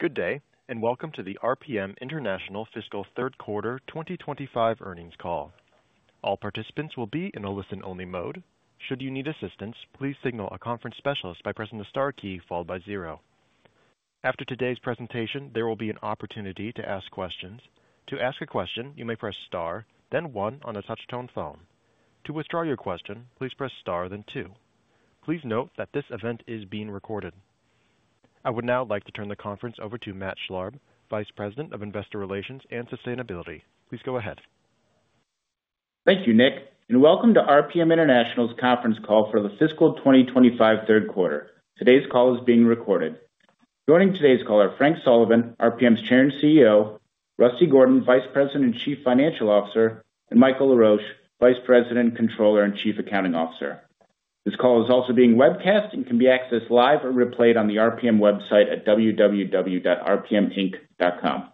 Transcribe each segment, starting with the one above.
Good day, and welcome to the RPM International fiscal third quarter 2025 earnings call. All participants will be in a listen-only mode. Should you need assistance, please signal a conference specialist by pressing the star key followed by zero. After today's presentation, there will be an opportunity to ask questions. To ask a question, you may press star, then one on a touch-tone phone. To withdraw your question, please press star, then two. Please note that this event is being recorded. I would now like to turn the conference over to Matt Schlarb, Vice President of Investor Relations and Sustainability. Please go ahead. Thank you, Nick, and welcome to RPM International's conference call for the fiscal 2025 third quarter. Today's call is being recorded. Joining today's call are Frank Sullivan, RPM's Chair and CEO; Rusty Gordon, Vice President and Chief Financial Officer; and Michael Laroche, Vice President, Controller, and Chief Accounting Officer. This call is also being webcast and can be accessed live or replayed on the RPM website at www.rpminc.com.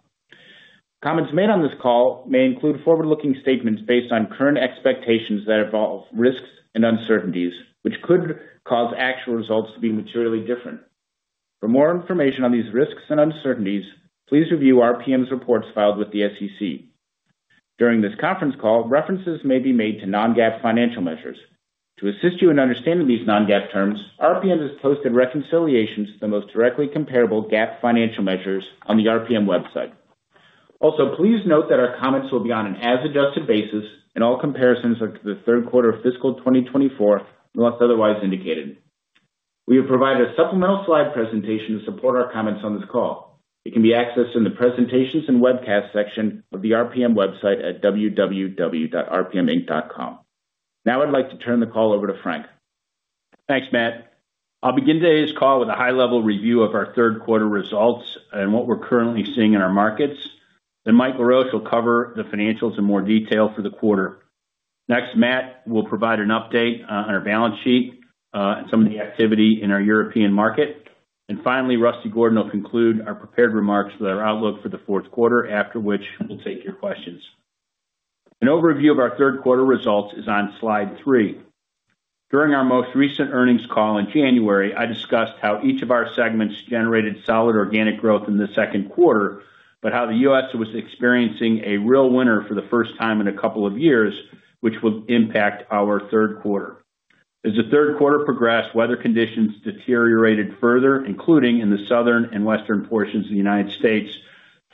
Comments made on this call may include forward-looking statements based on current expectations that involve risks and uncertainties, which could cause actual results to be materially different. For more information on these risks and uncertainties, please review RPM's reports filed with the SEC. During this conference call, references may be made to non-GAAP financial measures. To assist you in understanding these non-GAAP terms, RPM has posted reconciliations to the most directly comparable GAAP financial measures on the RPM website. Also, please note that our comments will be on an as-adjusted basis, and all comparisons are to the third-quarter of fiscal 2024 unless otherwise indicated. We have provided a supplemental slide presentation to support our comments on this call. It can be accessed in the presentations and webcast section of the RPM website at www.rpminc.com. Now I'd like to turn the call over to Frank. Thanks, Matt. I'll begin today's call with a high-level review of our third quarter results and what we're currently seeing in our markets. Next, Mike Laroche, who'll cover the financials in more detail for the quarter. Next, Matt will provide an update on our balance sheet and some of the activity in our European market. Finally, Rusty Gordon will conclude our prepared remarks with our outlook for the fourth quarter, after which we'll take your questions. An overview of our third quarter results is on slide three. During our most recent earnings call in January, I discussed how each of our segments generated solid organic growth in the second quarter, but how the U.S. was experiencing a real winter for the first time in a couple of years, which will impact our third quarter. As the third quarter progressed, weather conditions deteriorated further, including in the southern and western portions of the United States,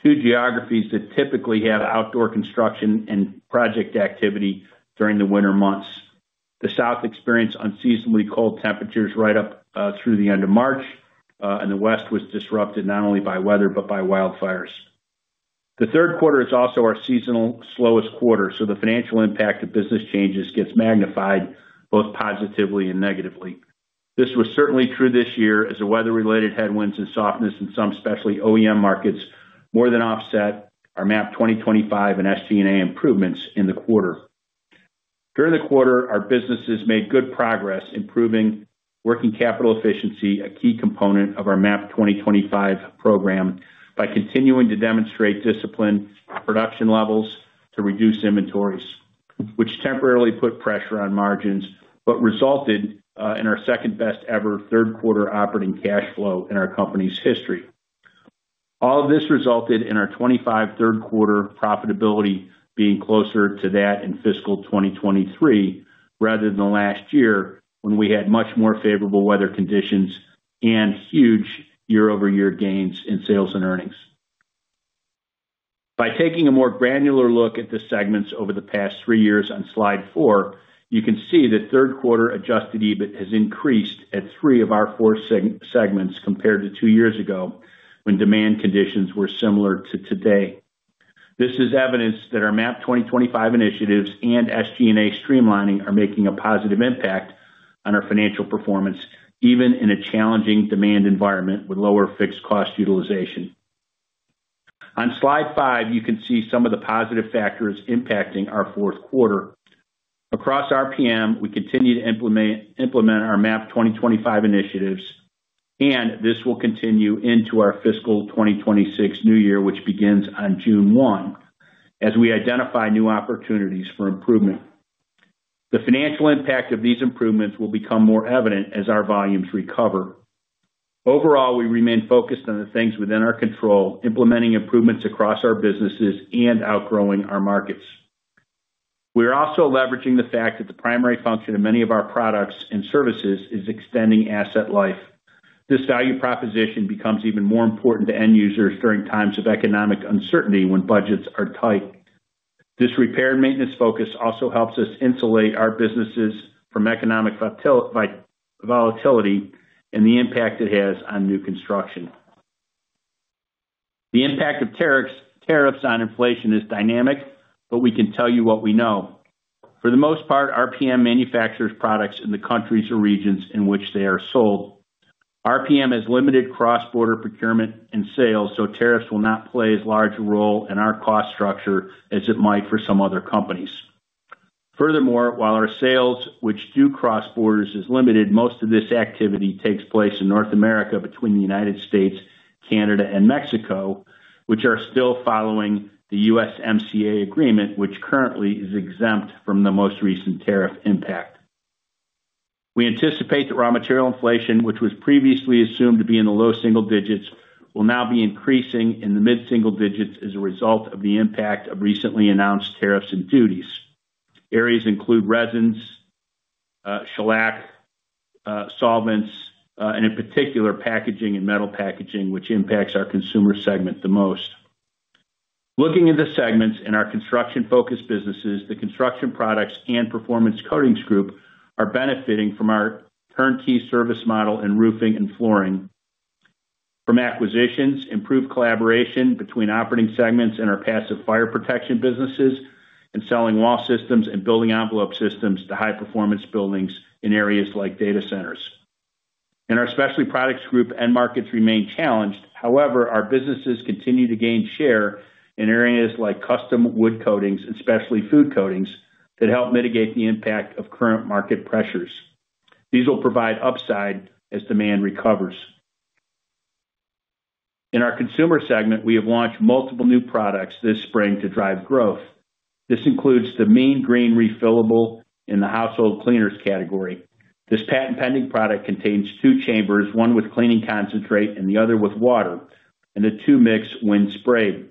two geographies that typically have outdoor construction and project activity during the winter months. The south experienced unseasonably cold temperatures right up through the end of March, and the west was disrupted not only by weather but by wildfires. The third quarter is also our seasonal slowest quarter, so the financial impact of business changes gets magnified both positively and negatively. This was certainly true this year, as the weather-related headwinds and softness in some especially OEM markets more than offset our MAP 2025 and SG&A improvements in the quarter. During the quarter, our businesses made good progress, improving working capital efficiency, a key component of our MAP 2025 program, by continuing to demonstrate discipline in production levels to reduce inventories, which temporarily put pressure on margins but resulted in our second-best-ever third quarter operating cash flow in our company's history. All of this resulted in our 2025 third-quarter profitability being closer to that in fiscal 2023 rather than last year, when we had much more favorable weather conditions and huge year-over-year gains in sales and earnings. By taking a more granular look at the segments over the past three years on slide four, you can see that third-quarter adjusted EBIT has increased at three of our four segments compared to two years ago, when demand conditions were similar to today. This is evidence that our MAP 2025 initiatives and SG&A streamlining are making a positive impact on our financial performance, even in a challenging demand environment with lower fixed-cost utilization. On slide five, you can see some of the positive factors impacting our fourth quarter. Across RPM, we continue to implement our MAP 2025 initiatives, and this will continue into our fiscal 2026 new year, which begins on June 1, as we identify new opportunities for improvement. The financial impact of these improvements will become more evident as our volumes recover. Overall, we remain focused on the things within our control, implementing improvements across our businesses and outgrowing our markets. We are also leveraging the fact that the primary function of many of our products and services is extending asset life. This value proposition becomes even more important to end users during times of economic uncertainty when budgets are tight. This repair and maintenance focus also helps us insulate our businesses from economic volatility and the impact it has on new construction. The impact of tariffs on inflation is dynamic, but we can tell you what we know. For the most part, RPM manufactures products in the countries or regions in which they are sold. RPM has limited cross-border procurement and sales, so tariffs will not play as large a role in our cost structure as it might for some other companies. Furthermore, while our sales, which do cross borders, is limited, most of this activity takes place in North America between the United States, Canada, and Mexico, which are still following the USMCA agreement, which currently is exempt from the most recent tariff impact. We anticipate that raw material inflation, which was previously assumed to be in the low single digits, will now be increasing in the mid-single digits as a result of the impact of recently announced tariffs and duties. Areas include resins, shellac, solvents, and in particular, packaging and metal packaging, which impacts our consumer segment the most. Looking at the segments in our construction-focused businesses, the construction products and performance coatings group are benefiting from our turnkey service model in roofing and flooring. From acquisitions, improved collaboration between operating segments and our passive fire protection businesses, and selling wall systems and building envelope systems to high-performance buildings in areas like data centers. In our specialty products group, end markets remain challenged. However, our businesses continue to gain share in areas like custom wood coatings and specialty food coatings that help mitigate the impact of current market pressures. These will provide upside as demand recovers. In our consumer segment, we have launched multiple new products this spring to drive growth. This includes the Mean Green Refillable in the household cleaners category. This patent-pending product contains two chambers, one with cleaning concentrate and the other with water, and the two mix when sprayed.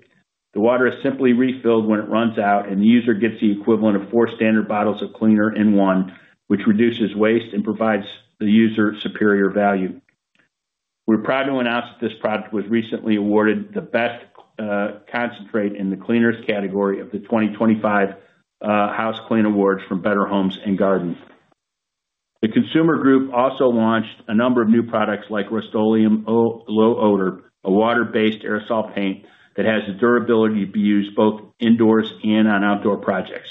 The water is simply refilled when it runs out, and the user gets the equivalent of four standard bottles of cleaner in one, which reduces waste and provides the user superior value. We're proud to announce that this product was recently awarded the best concentrate in the cleaners category of the 2025 House Clean Awards from Better Homes & Gardens. The consumer group also launched a number of new products, like Rust-Oleum Low Odor, a water-based aerosol paint that has the durability to be used both indoors and on outdoor projects.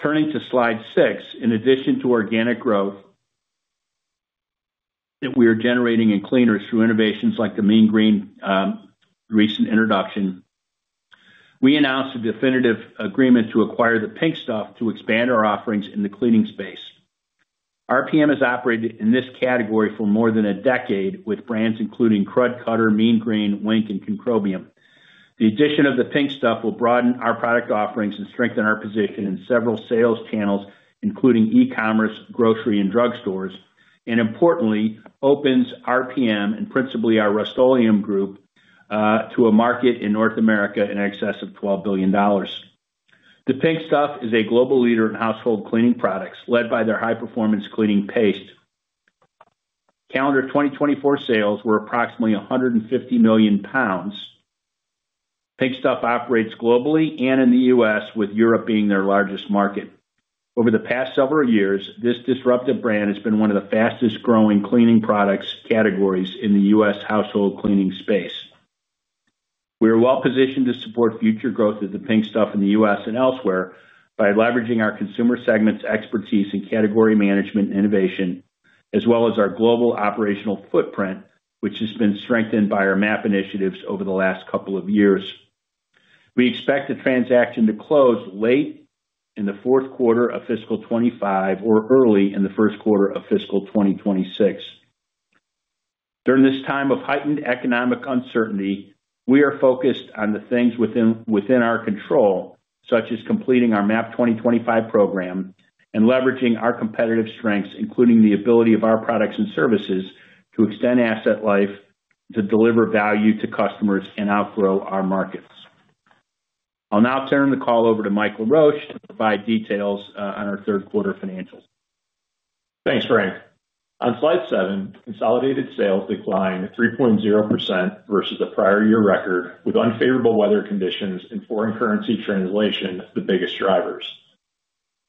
Turning to slide six, in addition to organic growth that we are generating in cleaners through innovations like the Mean Green recent introduction, we announced a definitive agreement to acquire The Pink Stuff to expand our offerings in the cleaning space. RPM has operated in this category for more than a decade with brands including Krud Kutter, Mean Green, Whink, and Concrobium. The addition of The Pink Stuff will broaden our product offerings and strengthen our position in several sales channels, including e-commerce, grocery, and drug stores, and importantly, opens RPM and principally our Rust-Oleum group to a market in North America in excess of $12 billion. The Pink Stuff is a global leader in household cleaning products, led by their high-performance cleaning paste. Calendar 2024 sales were approximately 150 million pounds. Pink Stuff operates globally and in the U.S., with Europe being their largest market. Over the past several years, this disruptive brand has been one of the fastest-growing cleaning products categories in the U.S. household cleaning space. We are well-positioned to support future growth of The Pink Stuff in the U.S. and elsewhere by leveraging our consumer segment's expertise in category management and innovation, as well as our global operational footprint, which has been strengthened by our MAP initiatives over the last couple of years. We expect the transaction to close late in the fourth quarter of fiscal 2025 or early in the first quarter of fiscal 2026. During this time of heightened economic uncertainty, we are focused on the things within our control, such as completing our MAP 2025 program and leveraging our competitive strengths, including the ability of our products and services to extend asset life to deliver value to customers and outgrow our markets. I'll now turn the call over to Michael Laroche to provide details on our third-quarter financials. Thanks, Frank. On slide seven, consolidated sales declined at 3.0% versus the prior year record, with unfavorable weather conditions and foreign currency translation as the biggest drivers.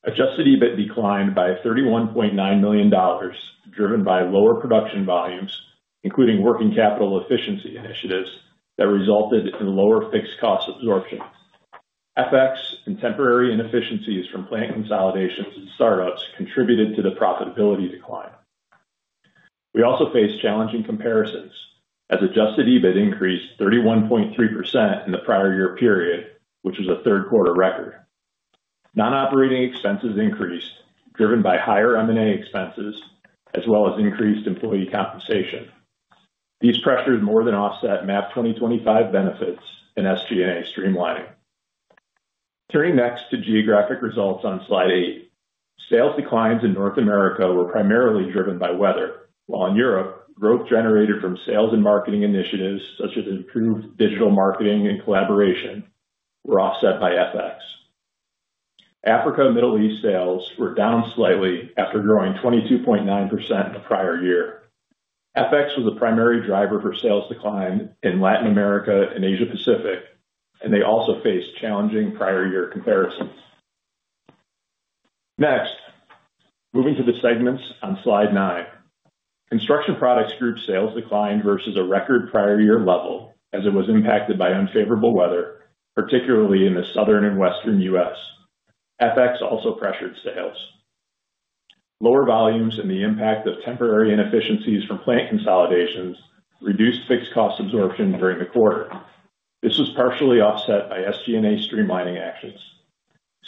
Adjusted EBIT declined by $31.9 million, driven by lower production volumes, including working capital efficiency initiatives that resulted in lower fixed-cost absorption. FX and temporary inefficiencies from plant consolidations and startups contributed to the profitability decline. We also faced challenging comparisons as adjusted EBIT increased 31.3% in the prior year period, which was a third-quarter record. Non-operating expenses increased, driven by higher M&A expenses, as well as increased employee compensation. These pressures more than offset MAP 2025 benefits and SG&A streamlining. Turning next to geographic results on slide eight, sales declines in North America were primarily driven by weather, while in Europe, growth generated from sales and marketing initiatives, such as improved digital marketing and collaboration, were offset by FX. Africa and Middle East sales were down slightly after growing 22.9% in the prior year. FX was the primary driver for sales decline in Latin America and Asia-Pacific, and they also faced challenging prior-year comparisons. Next, moving to the segments on slide nine, construction products group sales declined versus a record prior year level as it was impacted by unfavorable weather, particularly in the southern and western U.S. FX also pressured sales. Lower volumes and the impact of temporary inefficiencies from plant consolidations reduced fixed-cost absorption during the quarter. This was partially offset by SG&A streamlining actions.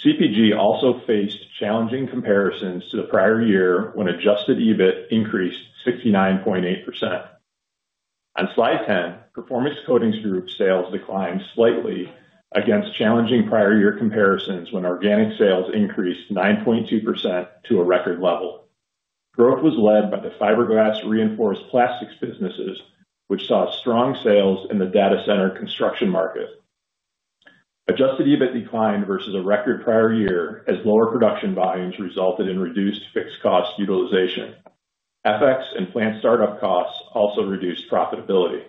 CPG also faced challenging comparisons to the prior year when adjusted EBIT increased 69.8%. On slide ten, performance coatings group sales declined slightly against challenging prior year comparisons when organic sales increased 9.2% to a record level. Growth was led by the fiberglass-reinforced plastics businesses, which saw strong sales in the data center construction market. Adjusted EBIT declined versus a record prior year as lower production volumes resulted in reduced fixed-cost utilization. FX and plant startup costs also reduced profitability.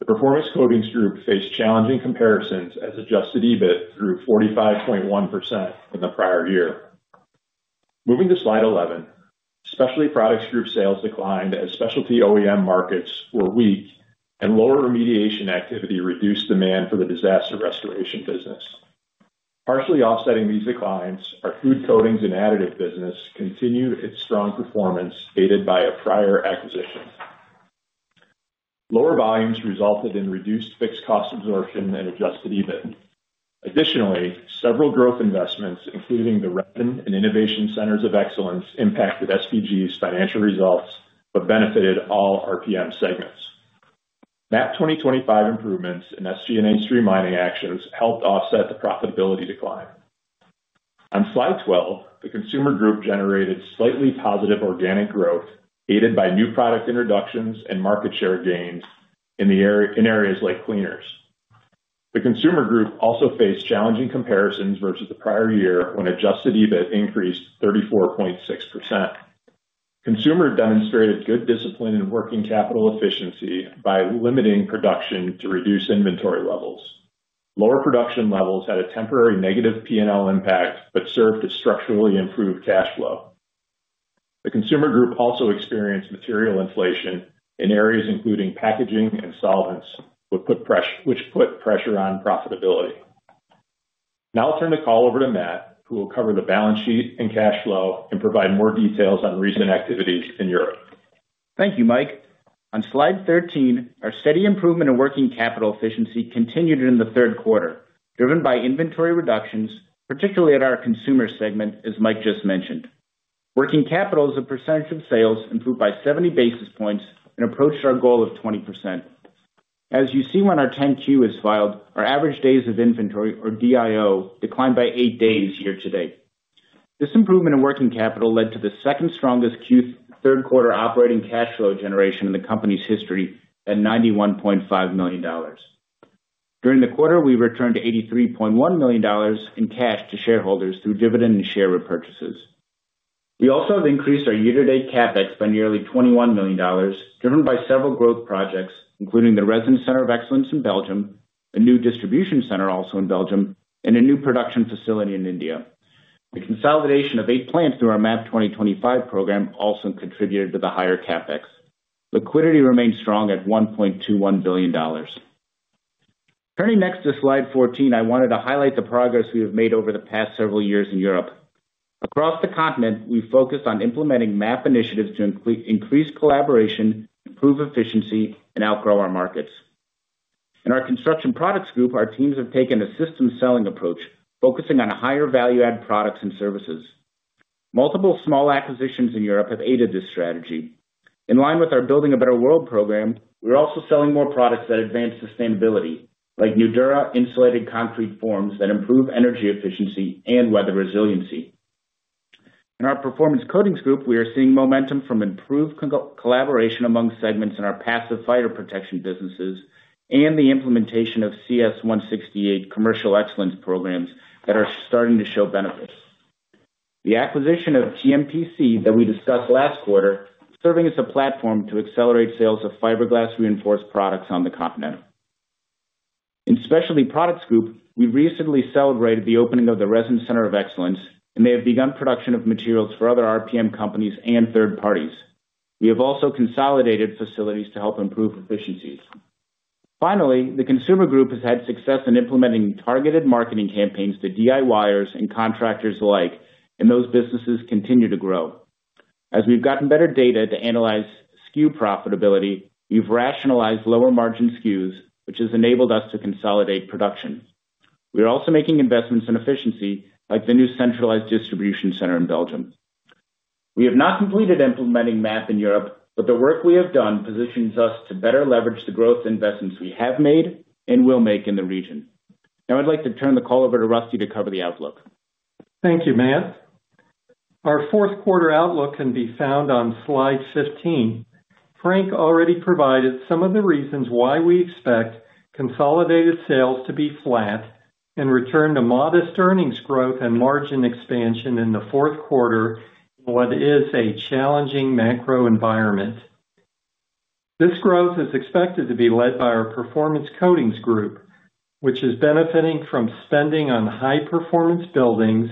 The performance coatings group faced challenging comparisons as adjusted EBIT grew 45.1% in the prior year. Moving to slide 11, specialty products group sales declined as specialty OEM markets were weak, and lower remediation activity reduced demand for the disaster restoration business. Partially offsetting these declines, our food coatings and additive business continued its strong performance, aided by a prior acquisition. Lower volumes resulted in reduced fixed-cost absorption and adjusted EBIT. Additionally, several growth investments, including the Innovation Centers of Excellence, impacted SPG's financial results but benefited all RPM segments. MAP 2025 improvements and SG&A streamlining actions helped offset the profitability decline. On slide twelve, the consumer group generated slightly positive organic growth aided by new product introductions and market share gains in areas like cleaners. The consumer group also faced challenging comparisons versus the prior year when adjusted EBIT increased 34.6%. Consumer demonstrated good discipline and working capital efficiency by limiting production to reduce inventory levels. Lower production levels had a temporary negative P&L impact but served to structurally improve cash flow. The consumer group also experienced material inflation in areas including packaging and solvents, which put pressure on profitability. Now I'll turn the call over to Matt, who will cover the balance sheet and cash flow and provide more details on recent activities in Europe. Thank you, Mike. On slide thirteen, our steady improvement in working capital efficiency continued in the third quarter, driven by inventory reductions, particularly at our consumer segment, as Mike just mentioned. Working capital as a percentage of sales improved by 70 basis points and approached our goal of 20%. As you see, when our 10Q is filed, our average days of inventory, or DIO, declined by eight days year to date. This improvement in working capital led to the second-strongest third-quarter operating cash flow generation in the company's history at $91.5 million. During the quarter, we returned $83.1 million in cash to shareholders through dividend and share repurchases. We also have increased our year-to-date CapEx by nearly $21 million, driven by several growth projects, including the Resin Center of Excellence in Belgium, a new distribution center also in Belgium, and a new production facility in India. The consolidation of eight plants through our MAP 2025 program also contributed to the higher CapEx. Liquidity remained strong at $1.21 billion. Turning next to slide fourteen, I wanted to highlight the progress we have made over the past several years in Europe. Across the continent, we focused on implementing MAP initiatives to increase collaboration, improve efficiency, and outgrow our markets. In our construction products group, our teams have taken a system-selling approach, focusing on higher value-add products and services. Multiple small acquisitions in Europe have aided this strategy. In line with our Building a Better World program, we are also selling more products that advance sustainability, like Nudura Insulated Concrete Form that improve energy efficiency and weather resiliency. In our performance coatings group, we are seeing momentum from improved collaboration among segments in our passive fire protection businesses and the implementation of CS168 commercial excellence programs that are starting to show benefits. The acquisition of TMPC that we discussed last quarter is serving as a platform to accelerate sales of fiberglass-reinforced products on the continent. In specialty products group, we recently celebrated the opening of the Resin Center of Excellence, and they have begun production of materials for other RPM companies and third parties. We have also consolidated facilities to help improve efficiencies. Finally, the consumer group has had success in implementing targeted marketing campaigns to DIYers and contractors alike, and those businesses continue to grow. As we've gotten better data to analyze SKU profitability, we've rationalized lower margin SKUs, which has enabled us to consolidate production. We are also making investments in efficiency, like the new centralized distribution center in Belgium. We have not completed implementing MAP in Europe, but the work we have done positions us to better leverage the growth investments we have made and will make in the region. Now I'd like to turn the call over to Rusty to cover the outlook. Thank you, Matt. Our fourth quarter outlook can be found on slide fifteen. Frank already provided some of the reasons why we expect consolidated sales to be flat and return to modest earnings growth and margin expansion in the fourth quarter in what is a challenging macro environment. This growth is expected to be led by our performance coatings group, which is benefiting from spending on high-performance buildings,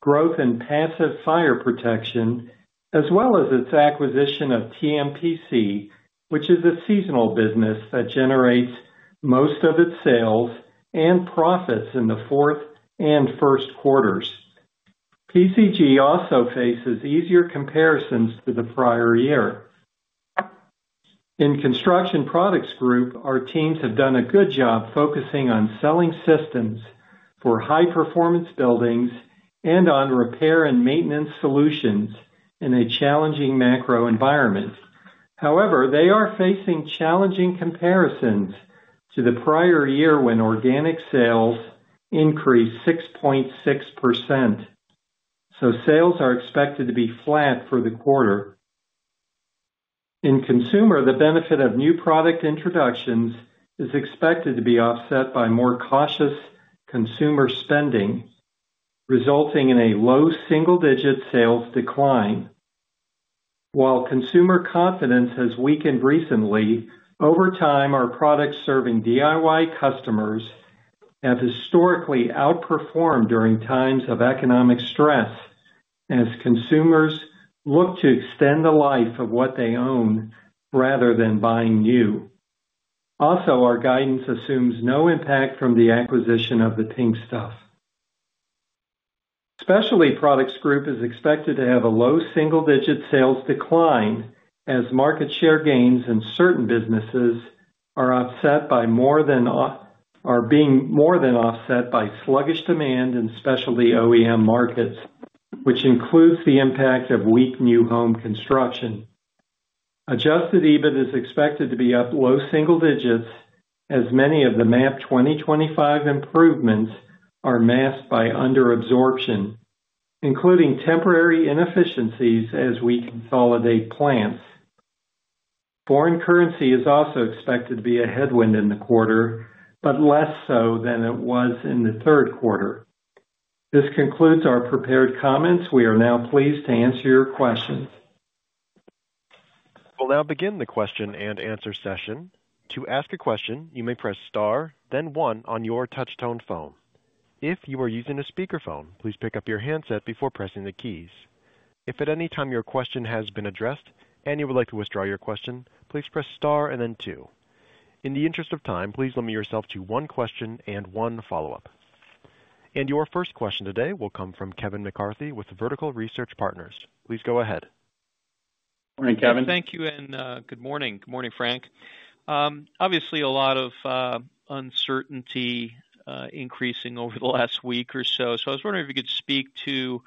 growth in passive fire protection, as well as its acquisition of TMPC, which is a seasonal business that generates most of its sales and profits in the fourth and first quarters. PCG also faces easier comparisons to the prior year. In construction products group, our teams have done a good job focusing on selling systems for high-performance buildings and on repair and maintenance solutions in a challenging macro environment. However, they are facing challenging comparisons to the prior year when organic sales increased 6.6%. Sales are expected to be flat for the quarter. In consumer, the benefit of new product introductions is expected to be offset by more cautious consumer spending, resulting in a low single-digit sales decline. While consumer confidence has weakened recently, over time, our products serving DIY customers have historically outperformed during times of economic stress as consumers look to extend the life of what they own rather than buying new. Also, our guidance assumes no impact from the acquisition of The Pink Stuff. Specialty products group is expected to have a low single-digit sales decline as market share gains in certain businesses are being more than offset by sluggish demand in specialty OEM markets, which includes the impact of weak new home construction. Adjusted EBIT is expected to be up low single digits as many of the MAP 2025 improvements are masked by underabsorption, including temporary inefficiencies as we consolidate plants. Foreign currency is also expected to be a headwind in the quarter, but less so than it was in the third quarter. This concludes our prepared comments. We are now pleased to answer your questions. We'll now begin the question-and-answer session. To ask a question, you may press star, then one on your touch-tone phone. If you are using a speakerphone, please pick up your handset before pressing the keys. If at any time your question has been addressed and you would like to withdraw your question, please press star and then two. In the interest of time, please limit yourself to one question and one follow-up. Your first question today will come from Kevin McCarthy with Vertical Research Partners. Please go ahead. Morning, Kevin. Thank you and good morning. Good morning, Frank. Obviously, a lot of uncertainty increasing over the last week or so. I was wondering if you could speak to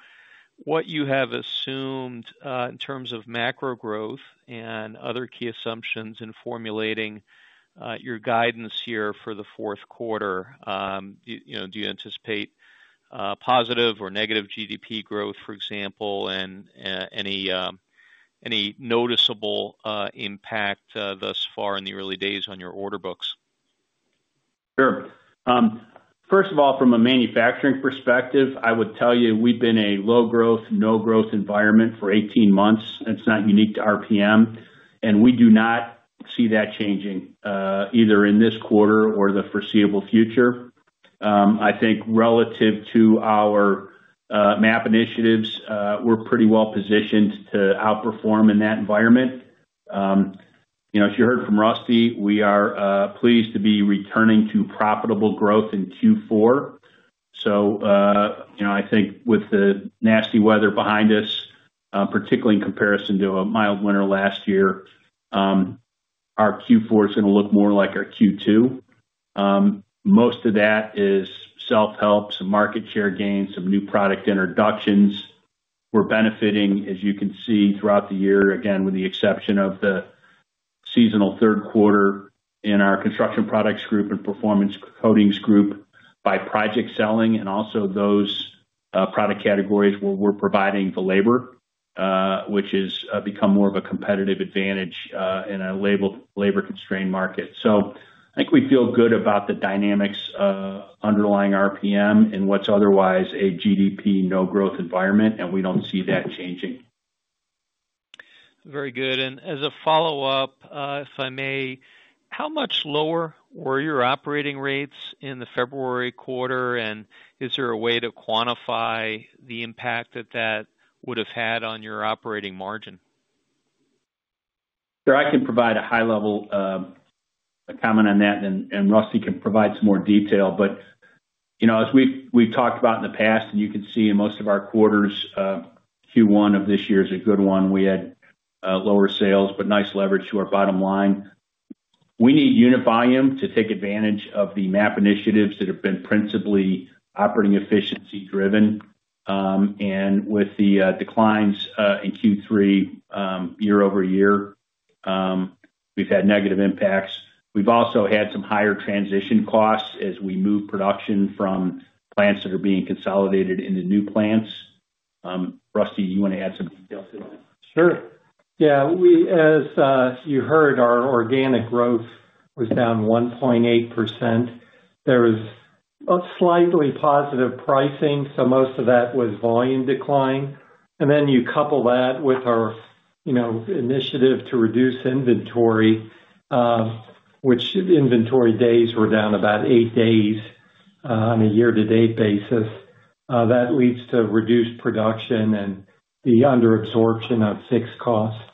what you have assumed in terms of macro growth and other key assumptions in formulating your guidance here for the fourth quarter. Do you anticipate positive or negative GDP growth, for example, and any noticeable impact thus far in the early days on your order books? Sure. First of all, from a manufacturing perspective, I would tell you we've been a low-growth, no-growth environment for 18 months. It's not unique to RPM, and we do not see that changing either in this quarter or the foreseeable future. I think relative to our MAP initiatives, we're pretty well positioned to outperform in that environment. As you heard from Rusty, we are pleased to be returning to profitable growth in Q4. I think with the nasty weather behind us, particularly in comparison to a mild winter last year, our Q4 is going to look more like our Q2. Most of that is self-help, some market share gains, some new product introductions. We're benefiting, as you can see, throughout the year, again, with the exception of the seasonal third quarter in our construction products group and performance coatings group by project selling and also those product categories where we're providing the labor, which has become more of a competitive advantage in a labor-constrained market. I think we feel good about the dynamics underlying RPM and what's otherwise a GDP no-growth environment, and we don't see that changing. Very good. As a follow-up, if I may, how much lower were your operating rates in the February quarter, and is there a way to quantify the impact that that would have had on your operating margin? Sure. I can provide a high-level comment on that, and Rusty can provide some more detail. As we've talked about in the past, and you can see in most of our quarters, Q1 of this year is a good one. We had lower sales, but nice leverage to our bottom line. We need unit volume to take advantage of the MAP initiatives that have been principally operating efficiency-driven. With the declines in Q3 year over year, we've had negative impacts. We've also had some higher transition costs as we move production from plants that are being consolidated into new plants. Rusty, you want to add some details to that? Sure. Yeah. As you heard, our organic growth was down 1.8%. There was slightly positive pricing, so most of that was volume decline. You couple that with our initiative to reduce inventory, which inventory days were down about eight days on a year-to-date basis. That leads to reduced production and the underabsorption of fixed costs.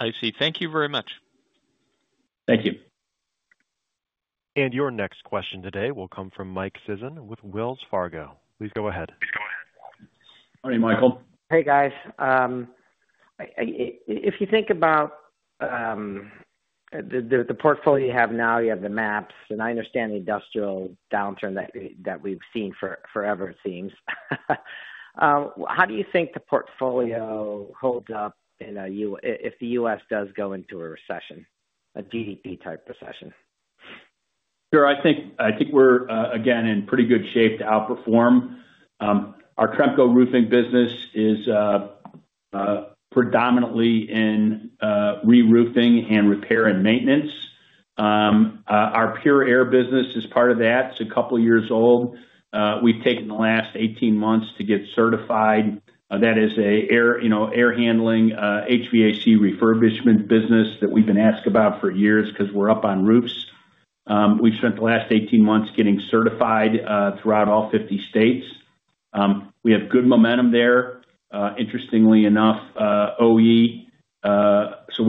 I see. Thank you very much. Thank you. Your next question today will come from Mike Sison with Wells Fargo. Please go ahead. Morning, Michael. Hey, guys. If you think about the portfolio you have now, you have the MAPs, and I understand the industrial downturn that we've seen forever, it seems. How do you think the portfolio holds up if the U.S. does go into a recession, a GDP-type recession? Sure. I think we're, again, in pretty good shape to outperform. Our Tremco Roofing business is predominantly in re-roofing and repair, and maintenance. Our Pure Air business is part of that. It's a couple of years old. We've taken the last 18 months to get certified. That is an air handling HVAC refurbishment business that we've been asked about for years because we're up on roofs. We've spent the last 18 months getting certified throughout all 50 states. We have good momentum there, interestingly enough, OE. We're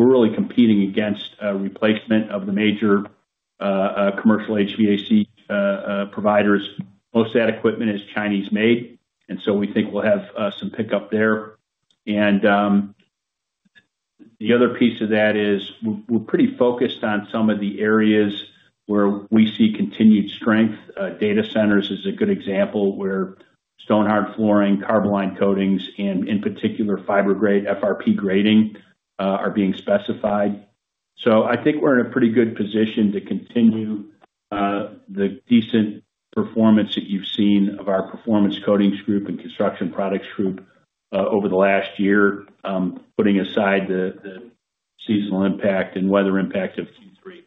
really competing against replacement of the major commercial HVAC providers. Most of that equipment is Chinese-made, and we think we'll have some pickup there. The other piece of that is we're pretty focused on some of the areas where we see continued strength. Data centers is a good example where Stonhard Flooring, Carboline Coatings, and in particular, Fibergrate FRP Grating are being specified. I think we're in a pretty good position to continue the decent performance that you've seen of our performance coatings group and construction products group over the last year, putting aside the seasonal impact and weather impact of Q3.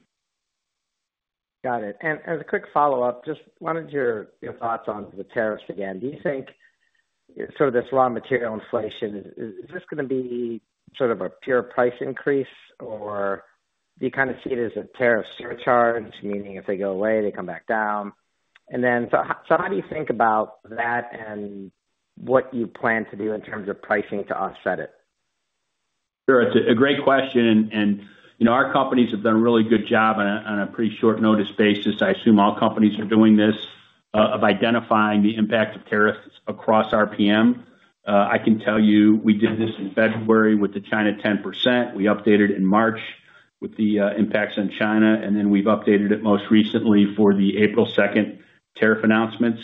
Got it. As a quick follow-up, just wanted your thoughts on the tariffs again. Do you think sort of this raw material inflation, is this going to be sort of a pure price increase, or do you kind of see it as a tariff surcharge, meaning if they go away, they come back down? How do you think about that and what you plan to do in terms of pricing to offset it? Sure. It's a great question. Our companies have done a really good job on a pretty short notice basis. I assume all companies are doing this of identifying the impact of tariffs across RPM. I can tell you we did this in February with the China 10%. We updated it in March with the impacts in China, and then we have updated it most recently for the April 2 tariff announcements.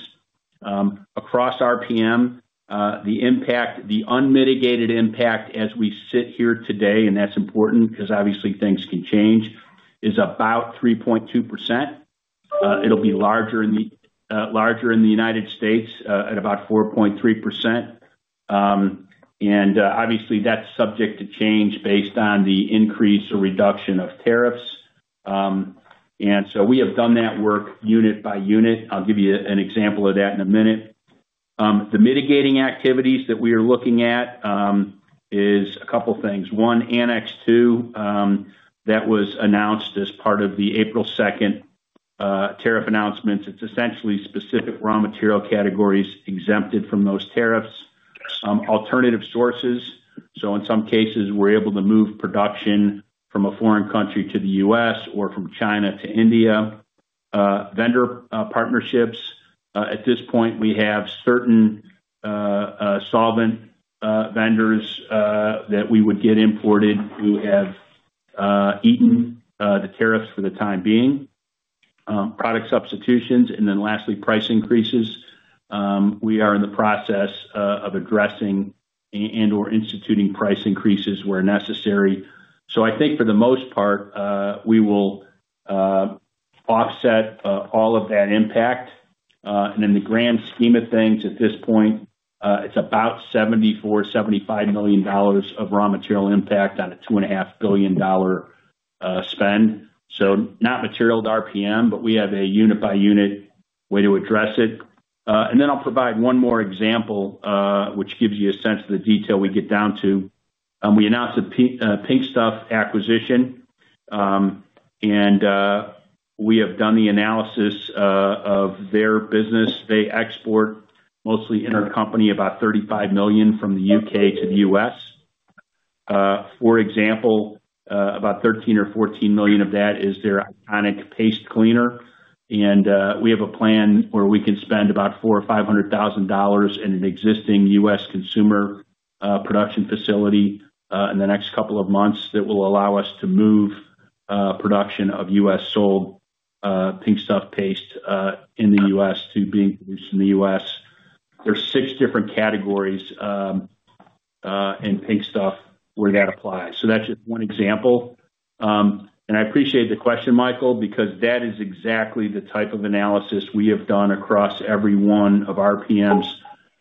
Across RPM, the unmitigated impact as we sit here today, and that's important because obviously things can change, is about 3.2%. It will be larger in the United States at about 4.3%. Obviously, that's subject to change based on the increase or reduction of tariffs. We have done that work unit by unit. I'll give you an example of that in a minute. The mitigating activities that we are looking at is a couple of things. One, Annex 2 that was announced as part of the April 2 tariff announcements. It's essentially specific raw material categories exempted from those tariffs. Alternative sources. In some cases, we're able to move production from a foreign country to the U.S. or from China to India. Vendor partnerships. At this point, we have certain solvent vendors that we would get imported who have eaten the tariffs for the time being. Product substitutions. Lastly, price increases. We are in the process of addressing and/or instituting price increases where necessary. I think for the most part, we will offset all of that impact. In the grand scheme of things, at this point, it's about $74 million-$75 million of raw material impact on a $2.5 billion spend. Not material to RPM, but we have a unit by unit way to address it. I will provide one more example, which gives you a sense of the detail we get down to. We announced a Pink Stuff acquisition, and we have done the analysis of their business. They export mostly intercompany about $35 million from the U.K. to the U.S. For example, about $13 million or $14 million of that is their iconic paste cleaner. We have a plan where we can spend about $400,000 or $500,000 in an existing U.S. consumer production facility in the next couple of months, that will allow us to move production of U.S.-sold Pink Stuff paste in the U.S. to being produced in the U.S. There are six different categories in Pink Stuff where that applies. That is just one example. I appreciate the question, Michael, because that is exactly the type of analysis we have done across every one of RPM's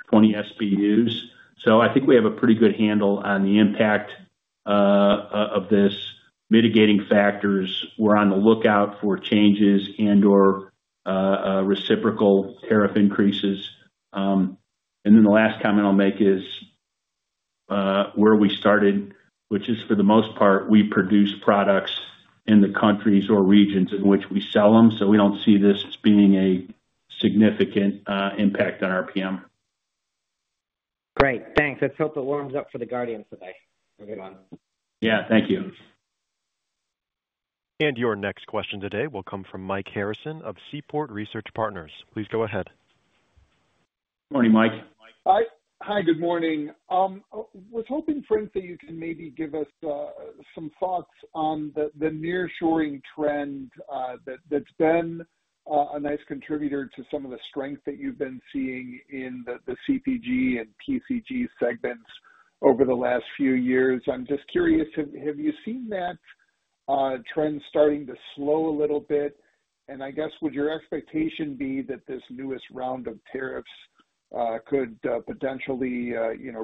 20 SBUs. I think we have a pretty good handle on the impact of this mitigating factors. We're on the lookout for changes and/or reciprocal tariff increases. The last comment I'll make is where we started, which is for the most part, we produce products in the countries or regions in which we sell them. We do not see this as being a significant impact on RPM. Great. Thanks. Let's hope it warms up for the Guardian today. Yeah. Thank you. Your next question today will come from Mike Harrison of Seaport Research Partners. Please go ahead. Good morning, Mike. Hi. Good morning. I was hoping, Frank, that you can maybe give us some thoughts on the nearshoring trend that's been a nice contributor to some of the strength that you've been seeing in the CPG and PCG segments over the last few years. I'm just curious, have you seen that trend starting to slow a little bit? I guess, would your expectation be that this newest round of tariffs could potentially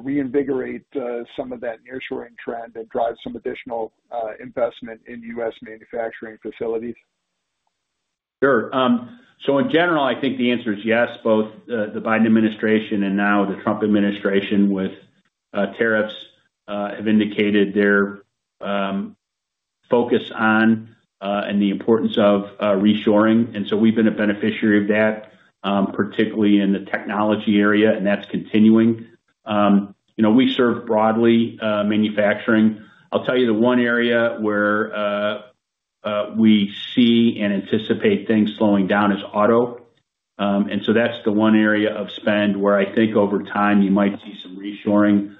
reinvigorate some of that nearshoring trend and drive some additional investment in U.S. manufacturing facilities? Sure. In general, I think the answer is yes. Both the Biden administration and now the Trump administration with tariffs have indicated their focus on and the importance of reshoring. We have been a beneficiary of that, particularly in the technology area, and that is continuing. We serve broadly manufacturing. I will tell you the one area where we see and anticipate things slowing down is auto. That is the one area of spend where I think over time you might see some reshoring.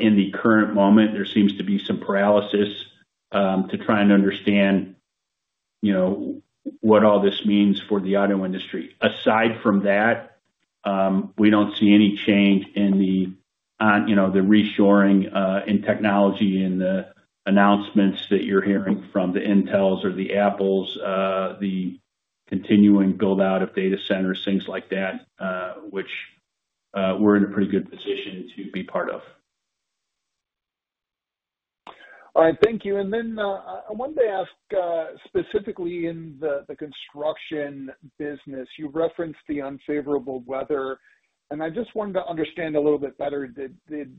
In the current moment, there seems to be some paralysis to try and understand what all this means for the auto industry. Aside from that, we don't see any change in the reshoring in technology in the announcements that you're hearing from the Intels or the Apples, the continuing build-out of data centers, things like that, which we're in a pretty good position to be part of. All right. Thank you. I wanted to ask specifically in the construction business. You referenced the unfavorable weather, and I just wanted to understand a little bit better. Did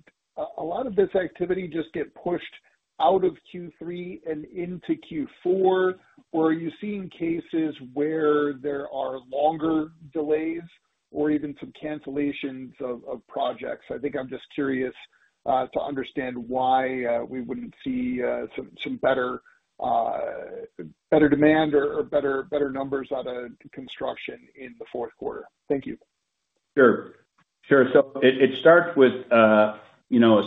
a lot of this activity just get pushed out of Q3 and into Q4, or are you seeing cases where there are longer delays or even some cancellations of projects? I think I'm just curious to understand why we wouldn't see some better demand or better numbers out of construction in the fourth quarter. Thank you. Sure. Sure. It starts with a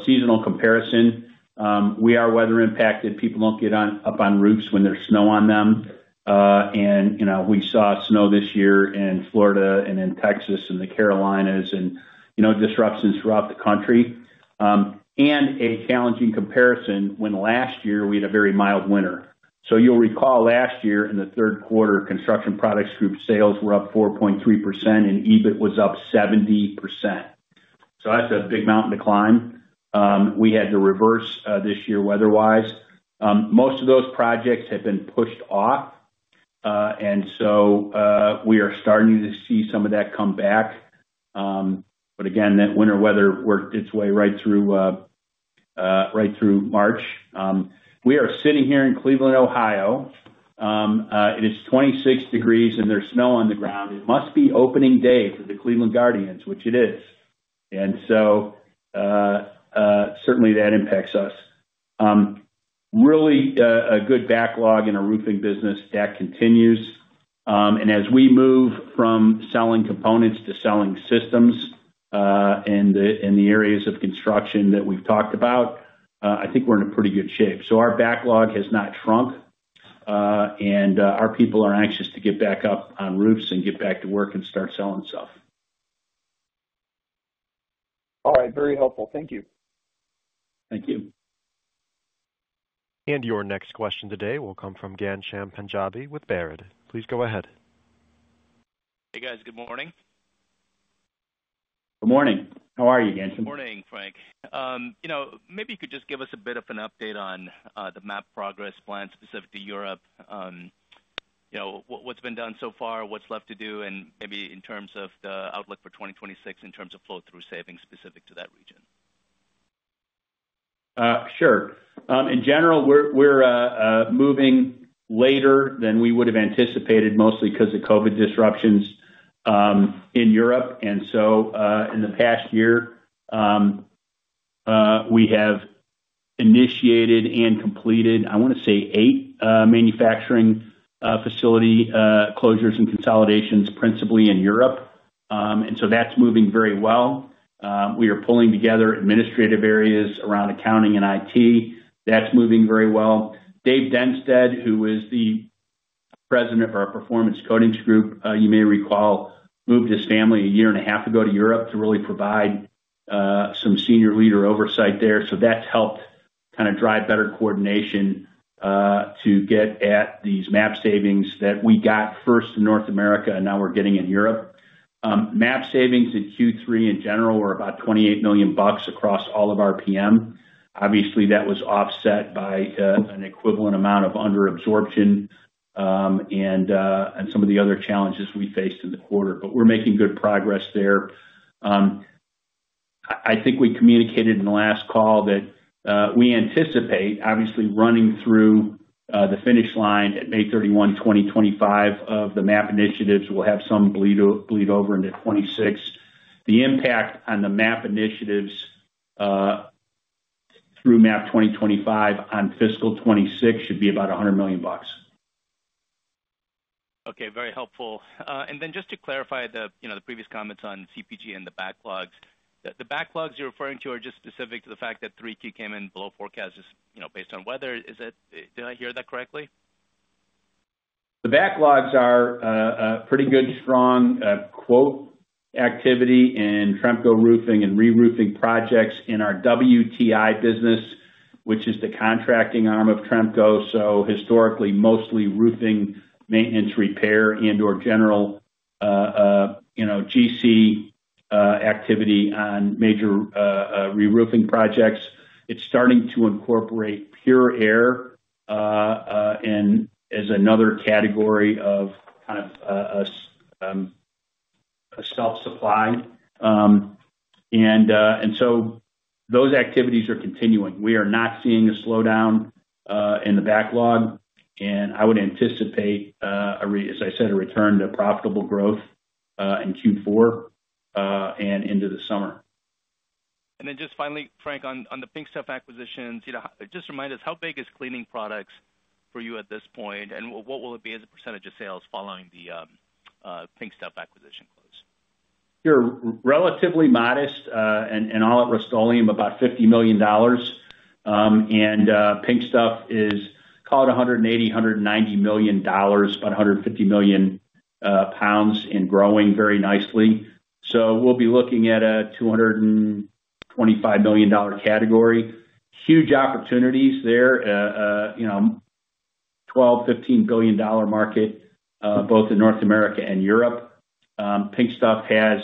seasonal comparison. We are weather impacted. People do not get up on roofs when there is snow on them. We saw snow this year in Florida and in Texas and the Carolinas and disruptions throughout the country. A challenging comparison when last year we had a very mild winter. You will recall last year in the third quarter, construction products group sales were up 4.3%, and EBIT was up 70%. That is a big mountain to climb. We had to reverse this year weather-wise. Most of those projects have been pushed off, and we are starting to see some of that come back. Again, that winter weather worked its way right through March. We are sitting here in Cleveland, Ohio. It is 26 degrees, and there is snow on the ground. It must be opening day for the Cleveland Guardians, which it is. Certainly that impacts us. Really a good backlog in our roofing business that continues. As we move from selling components to selling systems in the areas of construction that we've talked about, I think we're in a pretty good shape. Our backlog has not shrunk, and our people are anxious to get back up on roofs and get back to work and start selling stuff. All right. Very helpful. Thank you. Thank you. Your next question today will come from Ghansham Panjabi with Baird. Please go ahead. Hey, guys. Good morning. Good morning. How are you, Ghansham? Good morning, Frank. Maybe you could just give us a bit of an update on the MAP progress plan specific to Europe, what's been done so far, what's left to do, and maybe in terms of the outlook for 2026 in terms of flow-through savings specific to that region. Sure. In general, we're moving later than we would have anticipated mostly because of COVID disruptions in Europe. In the past year, we have initiated and completed, I want to say, eight manufacturing facility closures and consolidations principally in Europe. That's moving very well. We are pulling together administrative areas around accounting and IT. That's moving very well. Dave Dennsteadt, who is the President of our Performance Coatings Group, you may recall, moved his family a year and a half ago to Europe to really provide some senior leader oversight there. That's helped kind of drive better coordination to get at these MAP savings that we got first in North America and now we're getting in Europe. MAP savings in Q3 in general were about $28 million across all of RPM. Obviously, that was offset by an equivalent amount of underabsorption and some of the other challenges we faced in the quarter. We are making good progress there. I think we communicated in the last call that we anticipate, obviously, running through the finish line at May 31, 2025, of the MAP initiatives. We will have some bleed over into 2026. The impact on the MAP initiatives through MAP 2025 on fiscal 2026 should be about $100 million. Okay. Very helpful. Just to clarify the previous comments on CPG and the backlogs, the backlogs you're referring to are just specific to the fact that 3Q came in below forecast, just based on weather. Did I hear that correctly? The backlogs are a pretty good, strong quote activity in Tremco Roofing and re-roofing projects in our WTI business, which is the contracting arm of Tremco. Historically, mostly roofing, maintenance, repair, and/or general GC activity on major re-roofing projects. It's starting to incorporate Pure Air as another category of kind of self-supply. Those activities are continuing. We are not seeing a slowdown in the backlog. I would anticipate, as I said, a return to profitable growth in Q4 and into the summer. Frank, on The Pink Stuff acquisitions, just remind us, how big is cleaning products for you at this point? What will it be as a percentage of sales following The Pink Stuff acquisition close? Sure. Relatively modest and all at Rust-Oleum, about $50 million. And Pink Stuff is called $180 million-$190 million, about GBP 150 million and growing very nicely. So we'll be looking at a $225 million category. Huge opportunities there. $12 billion-$15 billion market, both in North America and Europe. Pink Stuff has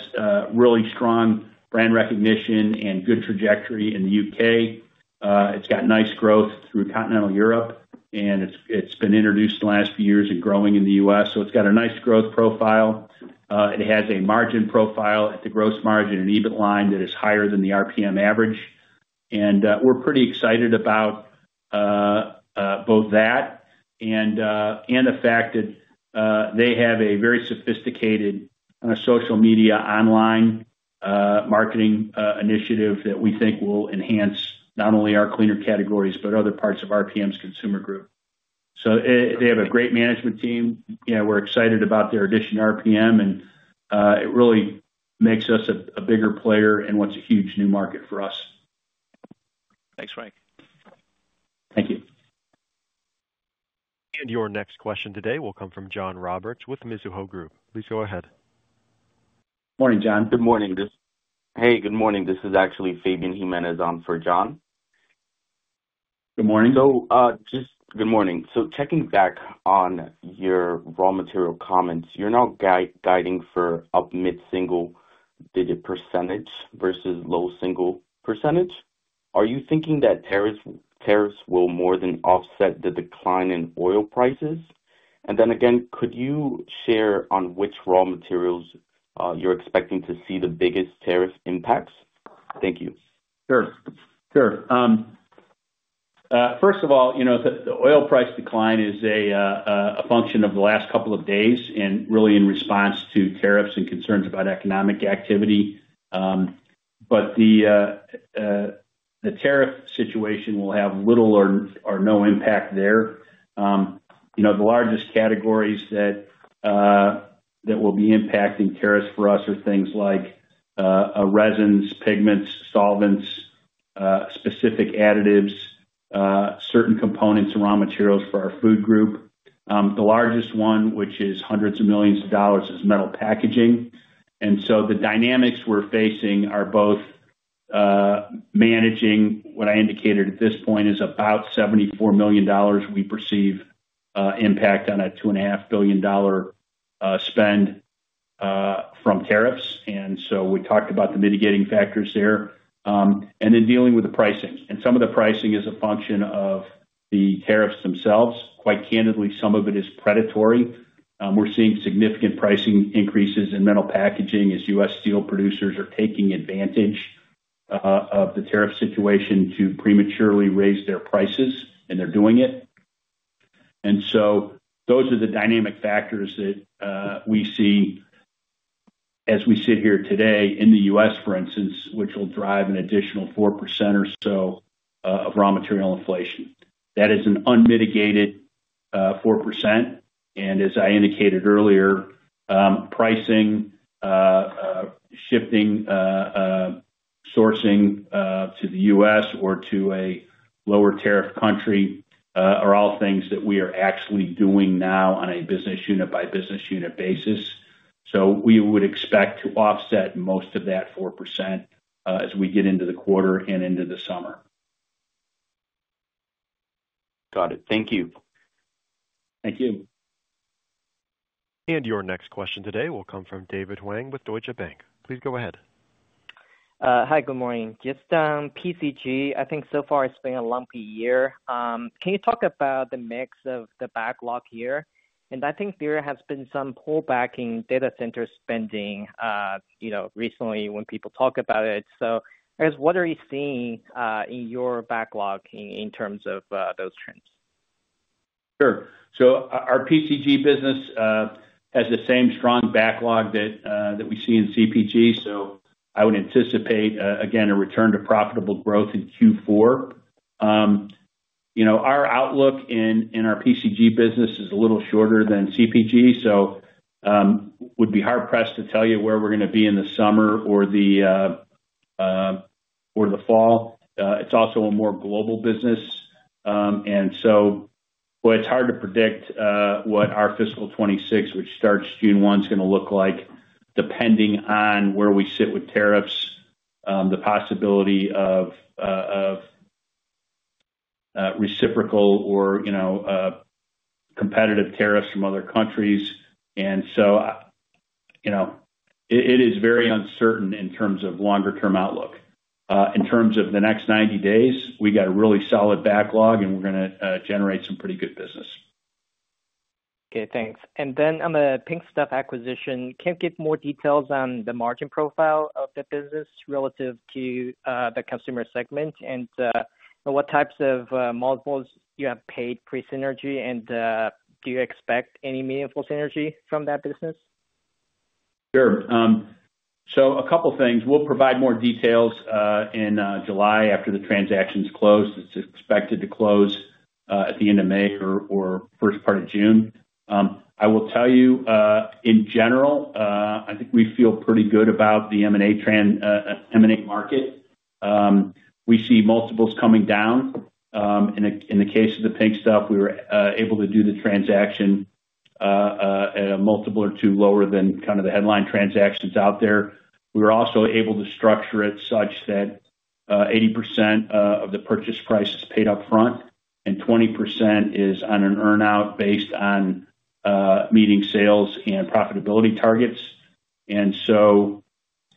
really strong brand recognition and good trajectory in the U.K. It's got nice growth through continental Europe, and it's been introduced the last few years and growing in the U.S. It has a nice growth profile. It has a margin profile at the gross margin and EBIT line that is higher than the RPM average. We're pretty excited about both that and the fact that they have a very sophisticated social media online marketing initiative that we think will enhance not only our cleaner categories but other parts of RPM's consumer group. They have a great management team. We're excited about their addition to RPM, and it really makes us a bigger player in what's a huge new market for us. Thanks, Frank. Thank you. Your next question today will come from John Roberts with Mizuho Group. Please go ahead. Morning, John. Good morning. Hey, good morning. This is actually Fabian Jimenez on for John. Good morning. Good morning. Checking back on your raw material comments, you're now guiding for up mid-single digit % versus low single %. Are you thinking that tariffs will more than offset the decline in oil prices? Could you share on which raw materials you're expecting to see the biggest tariff impacts? Thank you. Sure. First of all, the oil price decline is a function of the last couple of days and really in response to tariffs and concerns about economic activity. The tariff situation will have little or no impact there. The largest categories that will be impacting tariffs for us are things like resins, pigments, solvents, specific additives, certain components, raw materials for our food group. The largest one, which is hundreds of millions of dollars, is metal packaging. The dynamics we're facing are both managing what I indicated at this point is about $74 million we perceive impact on a $2.5 billion spend from tariffs. We talked about the mitigating factors there and then dealing with the pricing. Some of the pricing is a function of the tariffs themselves. Quite candidly, some of it is predatory. We're seeing significant pricing increases in metal packaging as U.S. steel producers are taking advantage of the tariff situation to prematurely raise their prices, and they're doing it. Those are the dynamic factors that we see as we sit here today in the U.S., for instance, which will drive an additional 4% or so of raw material inflation. That is an unmitigated 4%. As I indicated earlier, pricing, shifting sourcing to the U.S. or to a lower tariff country are all things that we are actually doing now on a business unit by business unit basis. We would expect to offset most of that 4% as we get into the quarter and into the summer. Got it. Thank you. Thank you. Your next question today will come from David Huang with Deutsche Bank. Please go ahead. Hi, good morning. Just PCG, I think so far it's been a lumpy year. Can you talk about the mix of the backlog here? I think there has been some pullback in data center spending recently when people talk about it. I guess, what are you seeing in your backlog in terms of those trends? Sure. Our PCG business has the same strong backlog that we see in CPG. I would anticipate, again, a return to profitable growth in Q4. Our outlook in our PCG business is a little shorter than CPG, so would be hard-pressed to tell you where we're going to be in the summer or the fall. It is also a more global business. It is hard to predict what our fiscal 2026, which starts June 1, is going to look like depending on where we sit with tariffs, the possibility of reciprocal or competitive tariffs from other countries. It is very uncertain in terms of longer-term outlook. In terms of the next 90 days, we got a really solid backlog, and we're going to generate some pretty good business. Okay. Thanks. Then on The Pink Stuff acquisition, can you give more details on the margin profile of the business relative to the consumer segment and what types of multiples you have paid pre-synergy, and do you expect any meaningful synergy from that business? Sure. A couple of things. We will provide more details in July after the transactions close. It is expected to close at the end of May or first part of June. I will tell you, in general, I think we feel pretty good about the M&A market. We see multiples coming down. In the case of The Pink Stuff, we were able to do the transaction at a multiple or two lower than kind of the headline transactions out there. We were also able to structure it such that 80% of the purchase price is paid upfront, and 20% is on an earnout based on meeting sales and profitability targets. That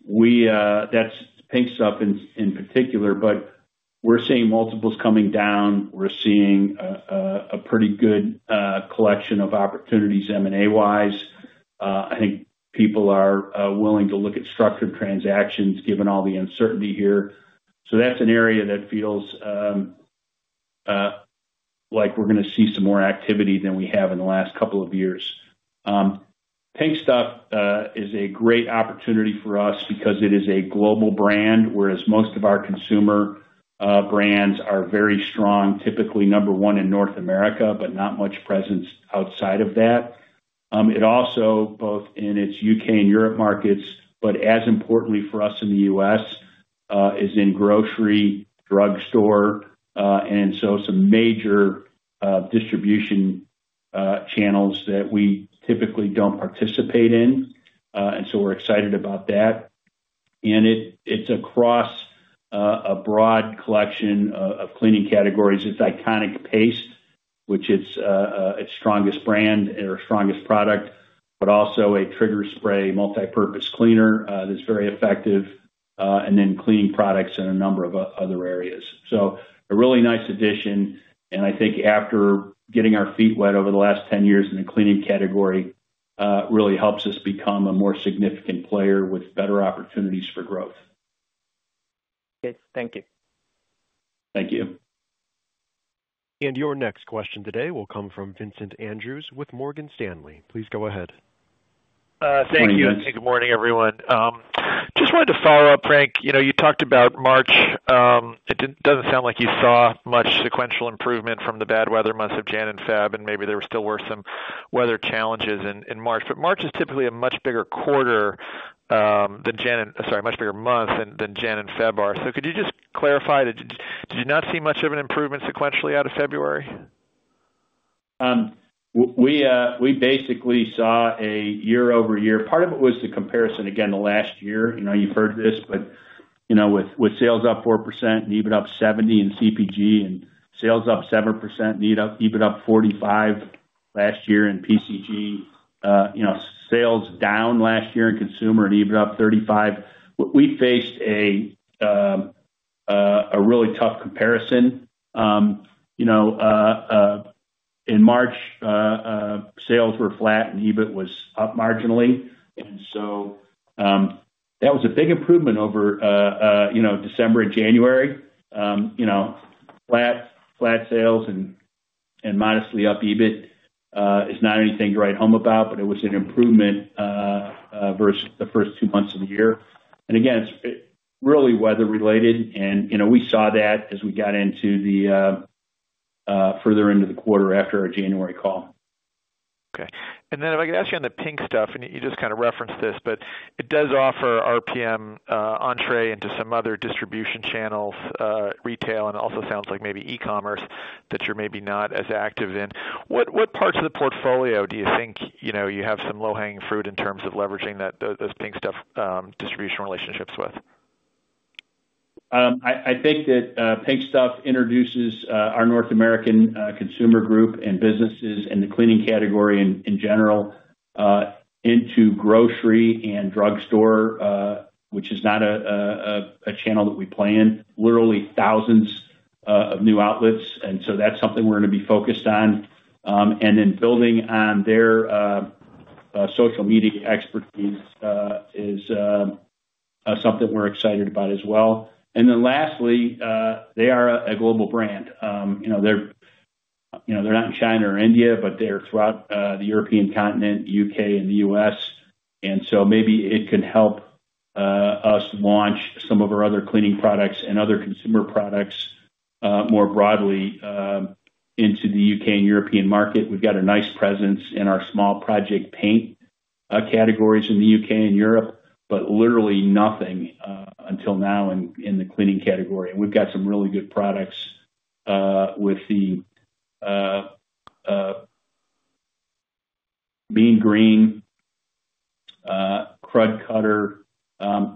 is Pink Stuff in particular, but we are seeing multiples coming down. We are seeing a pretty good collection of opportunities M&A-wise. I think people are willing to look at structured transactions given all the uncertainty here. That's an area that feels like we're going to see some more activity than we have in the last couple of years. Pink Stuff is a great opportunity for us because it is a global brand, whereas most of our consumer brands are very strong, typically number one in North America, but not much presence outside of that. It also, both in its U.K. and Europe markets, but as importantly for us in the U.S., is in grocery, drugstore, and so some major distribution channels that we typically don't participate in. We're excited about that. It's across a broad collection of cleaning categories. It's Iconic Paste, which is its strongest product, but also a trigger spray multipurpose cleaner that's very effective, and then cleaning products in a number of other areas. A really nice addition. I think after getting our feet wet over the last 10 years in the cleaning category, it really helps us become a more significant player with better opportunities for growth. Okay. Thank you. Thank you. Your next question today will come from Vincent Andrews with Morgan Stanley. Please go ahead. Thank you. Good morning, everyone. Just wanted to follow up, Frank. You talked about March. It does not sound like you saw much sequential improvement from the bad weather months of January and February, and maybe there were still worse some weather challenges in March. March is typically a much bigger quarter than January and—sorry, much bigger month than January and February are. Could you just clarify? Did you not see much of an improvement sequentially out of February? We basically saw a year-over-year. Part of it was the comparison, again, the last year. You've heard this, but with sales up 4% and EBIT up 70 in CPG and sales up 7%, EBIT up 45 last year in PCG, sales down last year in consumer and EBIT up 35. We faced a really tough comparison. In March, sales were flat and EBIT was up marginally. That was a big improvement over December and January. Flat sales and modestly up EBIT is not anything to write home about, but it was an improvement versus the first two months of the year. It is really weather-related, and we saw that as we got further into the quarter after our January call. Okay. If I could ask you on The Pink Stuff, and you just kind of referenced this, it does offer RPM, Entree, into some other distribution channels, retail, and also sounds like maybe e-commerce that you're maybe not as active in. What parts of the portfolio do you think you have some low-hanging fruit in terms of leveraging those Pink Stuff distribution relationships with? I think that Pink Stuff introduces our North American consumer group and businesses and the cleaning category in general into grocery and drugstore, which is not a channel that we play in. Literally thousands of new outlets. That is something we are going to be focused on. Building on their social media expertise is something we are excited about as well. Lastly, they are a global brand. They are not in China or India, but they are throughout the European continent, U.K., and the U.S. Maybe it can help us launch some of our other cleaning products and other consumer products more broadly into the U.K. and European market. We have got a nice presence in our small project paint categories in the U.K. and Europe, but literally nothing until now in the cleaning category. We have got some really good products with the Mean Green, Krud Kutter.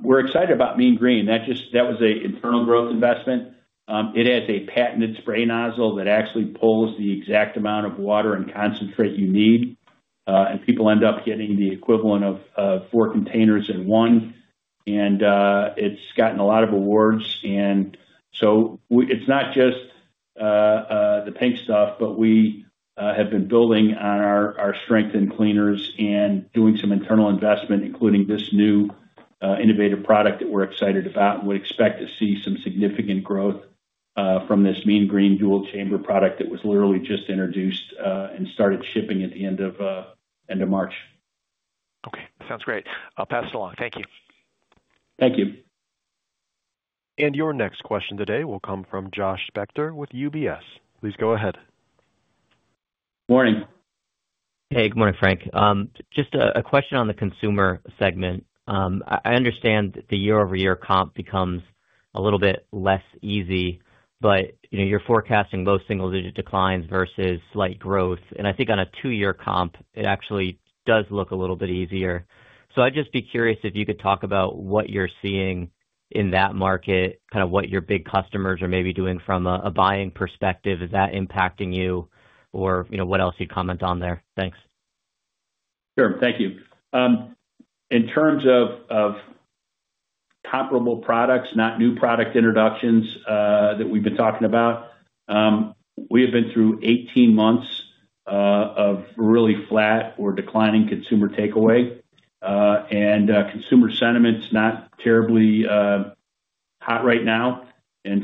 We're excited about Mean Green. That was an internal growth investment. It has a patented spray nozzle that actually pulls the exact amount of water and concentrate you need. People end up getting the equivalent of four containers in one. It has gotten a lot of awards. It is not just The Pink Stuff, but we have been building on our strength in cleaners and doing some internal investment, including this new innovative product that we're excited about and would expect to see some significant growth from this Mean Green dual chamber product that was literally just introduced and started shipping at the end of March. Okay. Sounds great. I'll pass it along. Thank you. Thank you. Your next question today will come from Josh Spector with UBS. Please go ahead. Morning. Hey, good morning, Frank. Just a question on the consumer segment. I understand that the year-over-year comp becomes a little bit less easy, but you're forecasting low single-digit declines versus slight growth. I think on a two-year comp, it actually does look a little bit easier. I'd just be curious if you could talk about what you're seeing in that market, kind of what your big customers are maybe doing from a buying perspective. Is that impacting you, or what else you'd comment on there? Thanks. Sure. Thank you. In terms of comparable products, not new product introductions that we've been talking about, we have been through 18 months of really flat or declining consumer takeaway. Consumer sentiment's not terribly hot right now. We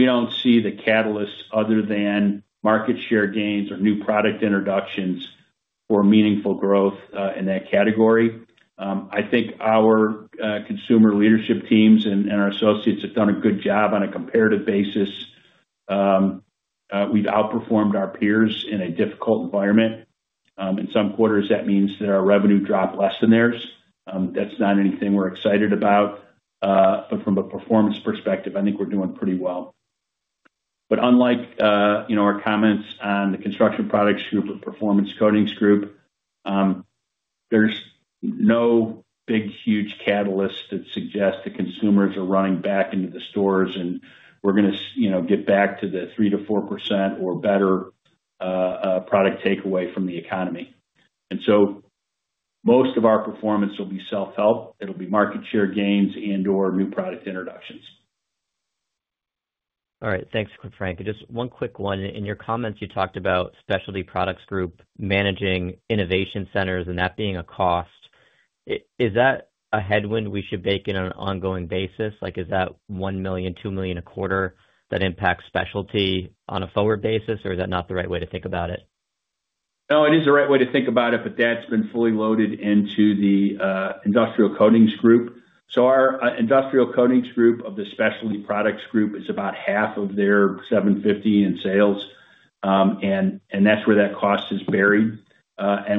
do not see the catalysts other than market share gains or new product introductions for meaningful growth in that category. I think our consumer leadership teams and our associates have done a good job on a comparative basis. We've outperformed our peers in a difficult environment. In some quarters, that means that our revenue dropped less than theirs. That's not anything we're excited about. From a performance perspective, I think we're doing pretty well. Unlike our comments on the construction products group or performance coatings group, there is no big, huge catalyst that suggests that consumers are running back into the stores and we are going to get back to the 3-4% or better product takeaway from the economy. Most of our performance will be self-help. It will be market share gains and/or new product introductions. All right. Thanks, Frank. Just one quick one. In your comments, you talked about specialty products group managing innovation centers and that being a cost. Is that a headwind we should bake in on an ongoing basis? Is that $1 million, $2 million a quarter that impacts specialty on a forward basis, or is that not the right way to think about it? No, it is the right way to think about it, but that's been fully loaded into the industrial coatings group. Our industrial coatings group of the specialty products group is about half of their $750 million in sales. That's where that cost is buried.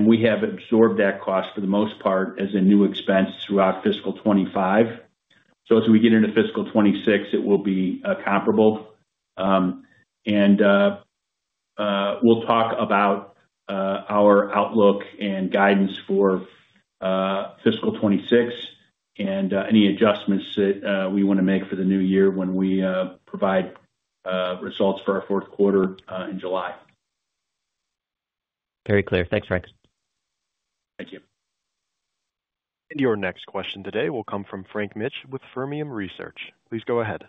We have absorbed that cost for the most part as a new expense throughout fiscal 2025. As we get into fiscal 2026, it will be comparable. We will talk about our outlook and guidance for fiscal 2026 and any adjustments that we want to make for the new year when we provide results for our fourth quarter in July. Very clear. Thanks, Frank. Thank you. Your next question today will come from Frank Mitsch with Fermium Research. Please go ahead.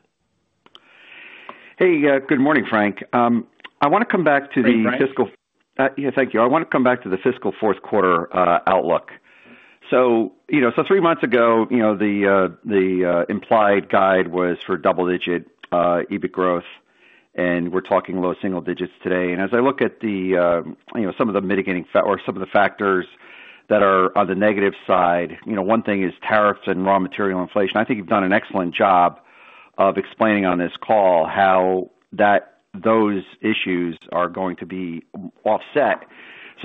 Hey, good morning, Frank. I want to come back to the fiscal. Hey, Frank. Yeah, thank you. I want to come back to the fiscal fourth quarter outlook. Three months ago, the implied guide was for double-digit EBIT growth, and we're talking low single digits today. As I look at some of the mitigating or some of the factors that are on the negative side, one thing is tariffs and raw material inflation. I think you've done an excellent job of explaining on this call how those issues are going to be offset.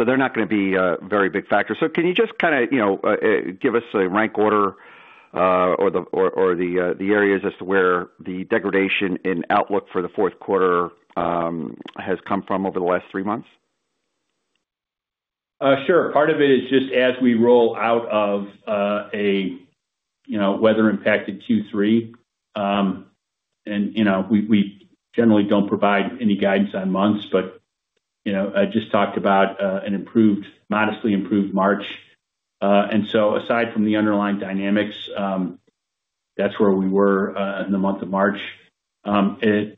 They're not going to be a very big factor. Can you just kind of give us a rank order or the areas as to where the degradation in outlook for the fourth quarter has come from over the last three months? Sure. Part of it is just as we roll out of a weather-impacted Q3. We generally do not provide any guidance on months, but I just talked about a modestly improved March. Aside from the underlying dynamics, that is where we were in the month of March. I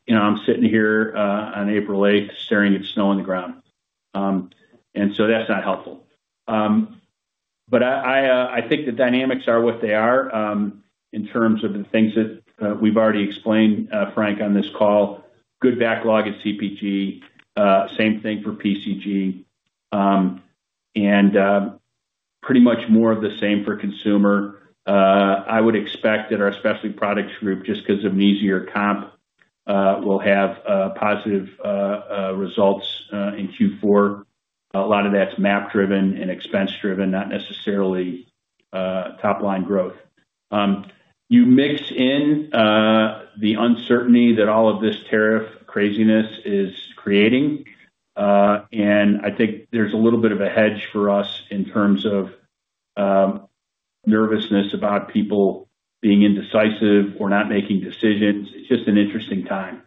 am sitting here on April 8th staring at snow on the ground. That is not helpful. I think the dynamics are what they are in terms of the things that we have already explained, Frank, on this call. Good backlog at CPG. Same thing for PCG. Pretty much more of the same for consumer. I would expect that our specialty products group, just because of an easier comp, will have positive results in Q4. A lot of that is MAP-driven and expense-driven, not necessarily top-line growth. You mix in the uncertainty that all of this tariff craziness is creating. I think there's a little bit of a hedge for us in terms of nervousness about people being indecisive or not making decisions. It's just an interesting time.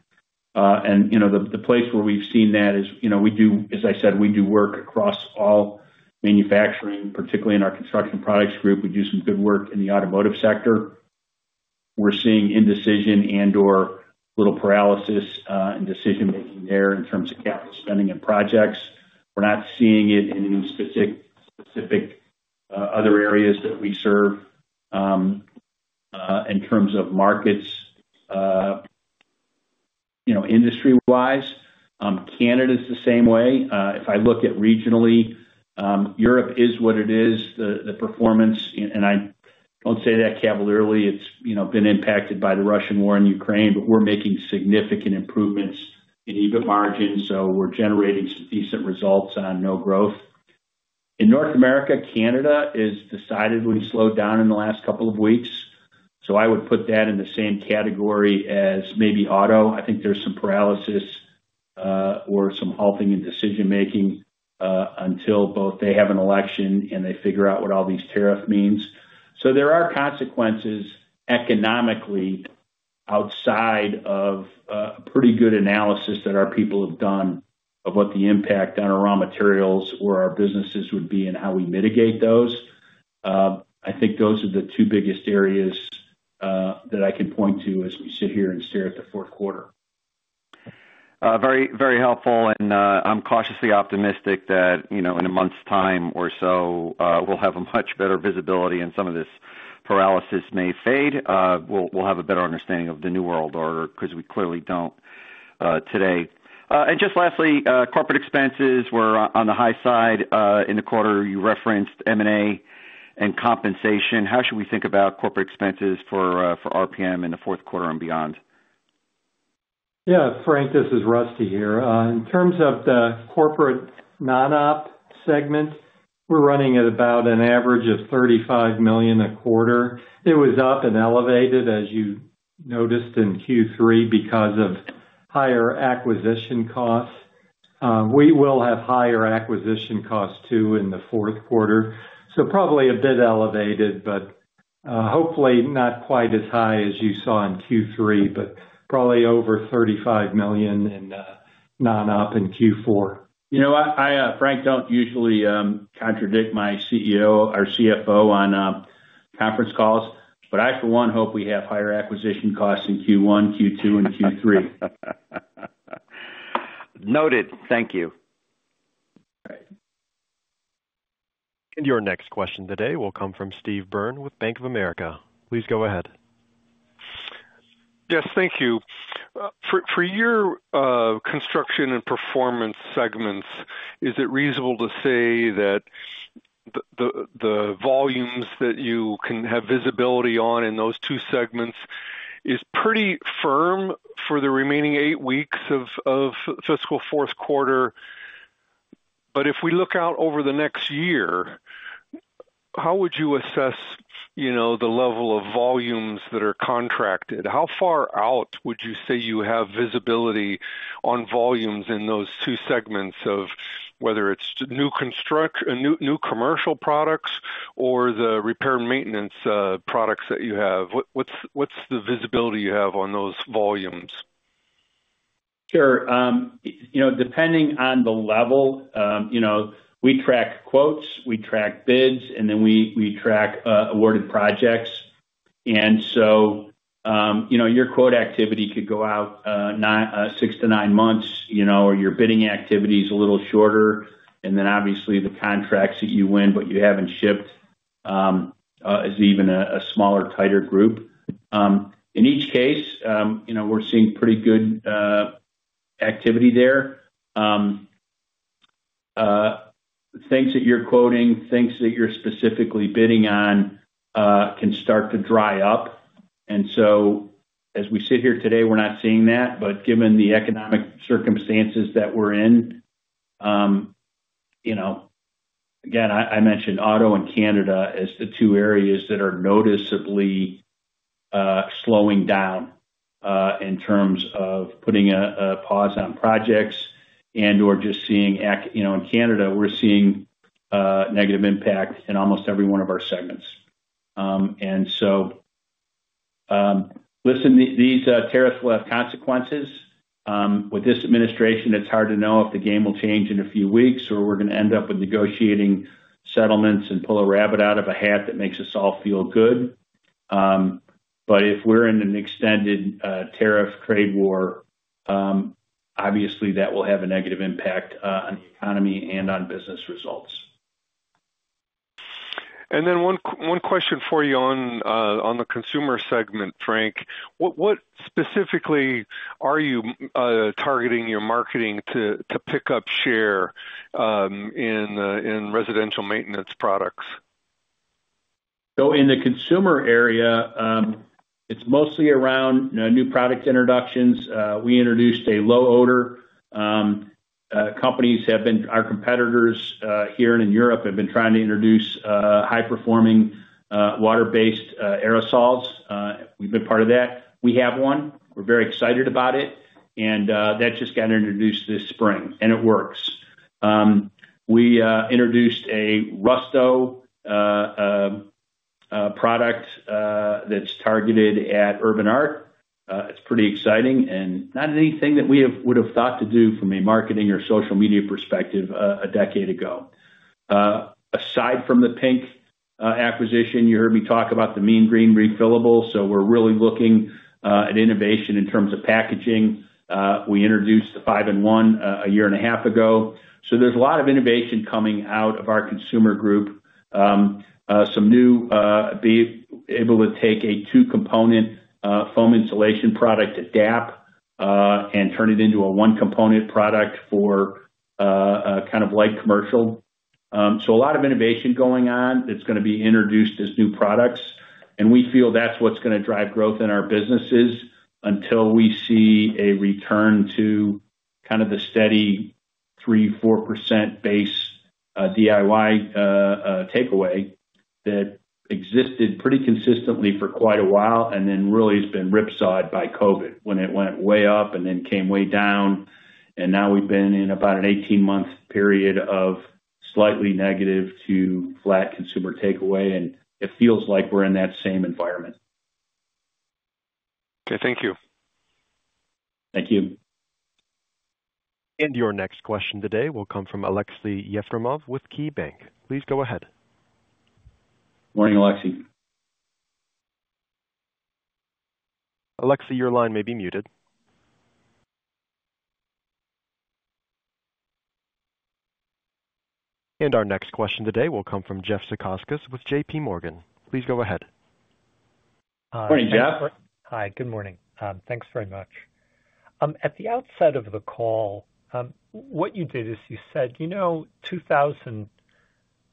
The place where we've seen that is, as I said, we do work across all manufacturing, particularly in our construction products group. We do some good work in the automotive sector. We're seeing indecision and/or a little paralysis in decision-making there in terms of capital spending and projects. We're not seeing it in any specific other areas that we serve in terms of markets industry-wise. Canada is the same way. If I look at regionally, Europe is what it is. The performance—and I don't say that cavalierly—it's been impacted by the Russian war in Ukraine, but we're making significant improvements in EBIT margins. We're generating some decent results on no growth. In North America, Canada has decidedly slowed down in the last couple of weeks. I would put that in the same category as maybe auto. I think there's some paralysis or some halting in decision-making until both they have an election and they figure out what all these tariffs mean. There are consequences economically outside of a pretty good analysis that our people have done of what the impact on our raw materials or our businesses would be and how we mitigate those. I think those are the two biggest areas that I can point to as we sit here and stare at the fourth quarter. Very helpful. I'm cautiously optimistic that in a month's time or so, we'll have much better visibility and some of this paralysis may fade. We'll have a better understanding of the new world order because we clearly don't today. Just lastly, corporate expenses were on the high side in the quarter. You referenced M&A and compensation. How should we think about corporate expenses for RPM in the fourth quarter and beyond? Yeah, Frank, this is Rusty here. In terms of the corporate non-op segment, we're running at about an average of $35 million a quarter. It was up and elevated, as you noticed in Q3, because of higher acquisition costs. We will have higher acquisition costs too in the fourth quarter. Probably a bit elevated, but hopefully not quite as high as you saw in Q3, but probably over $35 million in non-op in Q4. You know what? I, Frank, do not usually contradict my CEO or CFO on conference calls, but I for one hope we have higher acquisition costs in Q1, Q2, and Q3. Noted. Thank you. All right. Your next question today will come from Steve Byrne with Bank of America. Please go ahead. Yes, thank you. For your construction and performance segments, is it reasonable to say that the volumes that you can have visibility on in those two segments is pretty firm for the remaining eight weeks of fiscal fourth quarter? If we look out over the next year, how would you assess the level of volumes that are contracted? How far out would you say you have visibility on volumes in those two segments of whether it's new commercial products or the repair and maintenance products that you have? What's the visibility you have on those volumes? Sure. Depending on the level, we track quotes, we track bids, and then we track awarded projects. Your quote activity could go out six to nine months, or your bidding activity is a little shorter. Obviously, the contracts that you win, but you have not shipped, is even a smaller, tighter group. In each case, we are seeing pretty good activity there. Things that you are quoting, things that you are specifically bidding on can start to dry up. As we sit here today, we are not seeing that. Given the economic circumstances that we are in, again, I mentioned auto and Canada as the two areas that are noticeably slowing down in terms of putting a pause on projects and/or just seeing in Canada, we are seeing negative impact in almost every one of our segments. Listen, these tariffs will have consequences. With this administration, it's hard to know if the game will change in a few weeks or we're going to end up with negotiating settlements and pull a rabbit out of a hat that makes us all feel good. If we're in an extended tariff trade war, obviously, that will have a negative impact on the economy and on business results. One question for you on the consumer segment, Frank. What specifically are you targeting your marketing to pick up share in residential maintenance products? In the consumer area, it's mostly around new product introductions. We introduced a low odor. Companies that have been our competitors here and in Europe have been trying to introduce high-performing water-based aerosols. We've been part of that. We have one. We're very excited about it. That just got introduced this spring, and it works. We introduced a Rusto product that's targeted at urban art. It's pretty exciting and not anything that we would have thought to do from a marketing or social media perspective a decade ago. Aside The Pink Stuff acquisition, you heard me talk about the Mean Green Refillable. We're really looking at innovation in terms of packaging. We introduced the five-in-one a year and a half ago. There is a lot of innovation coming out of our consumer group. Some new be able to take a two-component foam insulation product, adapt and turn it into a one-component product for kind of light commercial. A lot of innovation going on that's going to be introduced as new products. We feel that's what's going to drive growth in our businesses until we see a return to kind of the steady 3-4% base DIY takeaway that existed pretty consistently for quite a while and then really has been ripsawed by COVID when it went way up and then came way down. Now we've been in about an 18-month period of slightly negative to flat consumer takeaway. It feels like we're in that same environment. Okay. Thank you. Thank you. Your next question today will come from Alexei Yefremov with KeyBanc. Please go ahead. Morning, Alexei. Alexei, your line may be muted. Our next question today will come from Jeff Zekauskas with JPMorgan. Please go ahead. Morning, Jeff. Hi. Good morning. Thanks very much. At the outset of the call, what you did is you said, "You know,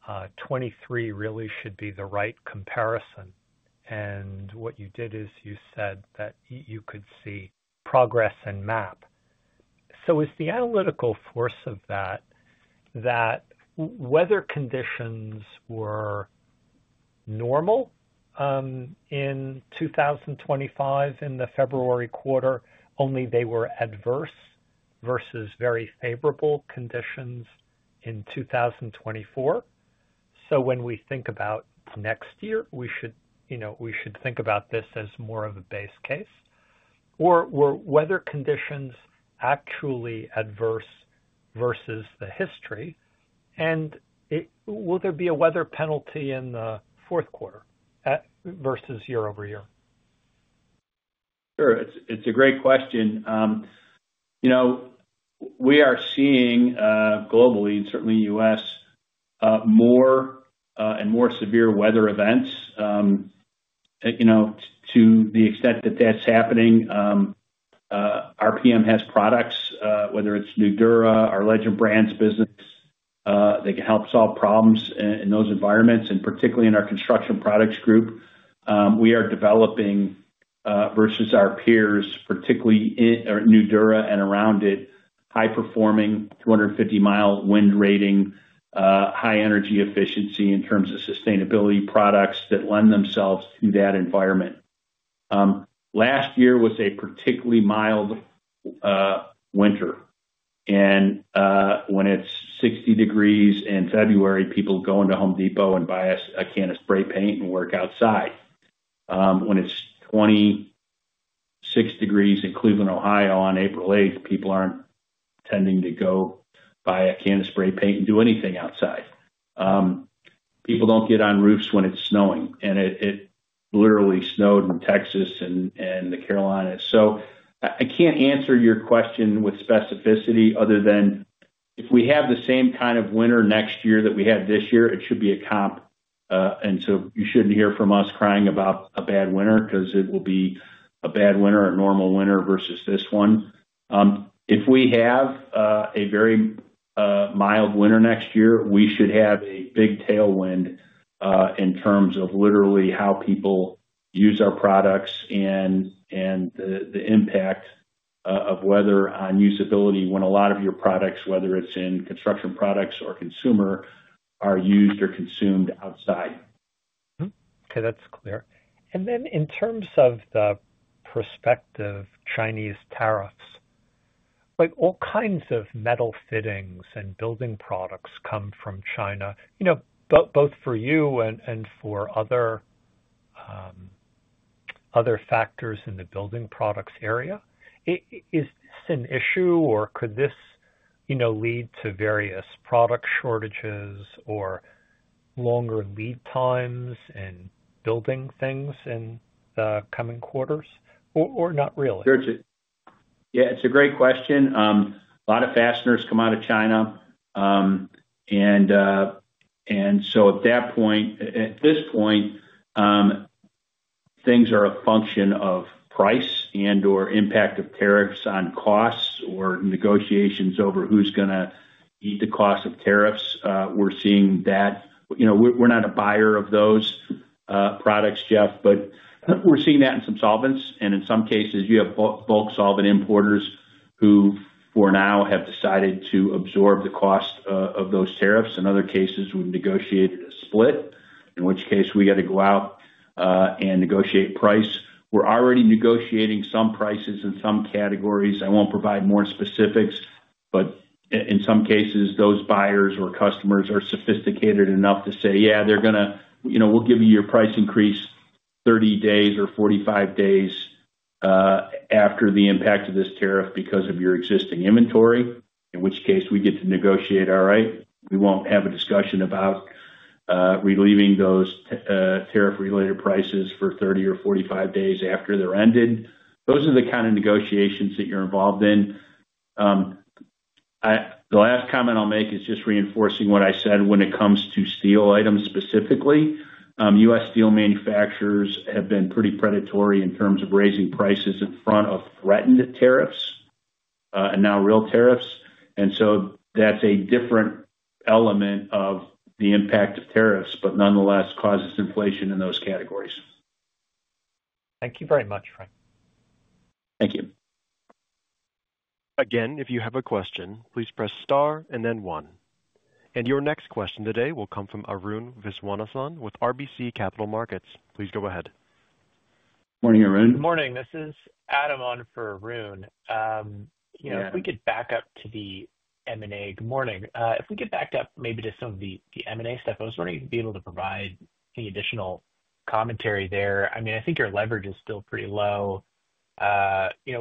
2023 really should be the right comparison." What you did is you said that you could see progress and MAP. Is the analytical force of that that weather conditions were normal in 2025 in the February quarter, only they were adverse versus very favorable conditions in 2024? When we think about next year, should we think about this as more of a base case? Or were weather conditions actually adverse versus the history? Will there be a weather penalty in the fourth quarter versus year over year? Sure. It's a great question. We are seeing globally, and certainly in the U.S., more and more severe weather events. To the extent that that's happening, RPM has products, whether it's Nudura or Legend Brands business. They can help solve problems in those environments. Particularly in our construction products group, we are developing versus our peers, particularly Nudura and around it, high-performing, 250 mph wind rating, high energy efficiency in terms of sustainability products that lend themselves to that environment. Last year was a particularly mild winter. When it's 60 degrees Fahrenheit in February, people go into Home Depot and buy a can of spray paint and work outside. When it's 26 degrees Fahrenheit in Cleveland, Ohio, on April 8th, people aren't tending to go buy a can of spray paint and do anything outside. People don't get on roofs when it's snowing. It literally snowed in Texas and the Carolinas. I cannot answer your question with specificity other than if we have the same kind of winter next year that we had this year, it should be a comp. You should not hear from us crying about a bad winter because it will be a bad winter, a normal winter versus this one. If we have a very mild winter next year, we should have a big tailwind in terms of literally how people use our products and the impact of weather on usability when a lot of your products, whether it is in construction products or consumer, are used or consumed outside. Okay. That's clear. In terms of the prospective Chinese tariffs, all kinds of metal fittings and building products come from China, both for you and for other factors in the building products area. Is this an issue or could this lead to various product shortages or longer lead times in building things in the coming quarters or not really? Sure. Yeah. It's a great question. A lot of fasteners come out of China. At this point, things are a function of price and/or impact of tariffs on costs or negotiations over who's going to eat the cost of tariffs. We're seeing that. We're not a buyer of those products, Jeff, but we're seeing that in some solvents. In some cases, you have bulk solvent importers who for now have decided to absorb the cost of those tariffs. In other cases, we've negotiated a split, in which case we got to go out and negotiate price. We're already negotiating some prices in some categories. I won't provide more specifics, but in some cases, those buyers or customers are sophisticated enough to say, "Yeah, they're going to we'll give you your price increase 30 days or 45 days after the impact of this tariff because of your existing inventory," in which case we get to negotiate all right. We won't have a discussion about relieving those tariff-related prices for 30 or 45 days after they're ended. Those are the kind of negotiations that you're involved in. The last comment I'll make is just reinforcing what I said when it comes to steel items specifically. U.S. steel manufacturers have been pretty predatory in terms of raising prices in front of threatened tariffs and now real tariffs. That is a different element of the impact of tariffs, but nonetheless causes inflation in those categories. Thank you very much, Frank. Thank you. Again, if you have a question, please press star and then one. Your next question today will come from Arun Viswanathan with RBC Capital Markets. Please go ahead. Good morning, Arun. Good morning. This is Adam on for Arun. If we could back up to the M&A, good morning. If we could back up maybe to some of the M&A stuff, I was wondering if you'd be able to provide any additional commentary there. I mean, I think your leverage is still pretty low.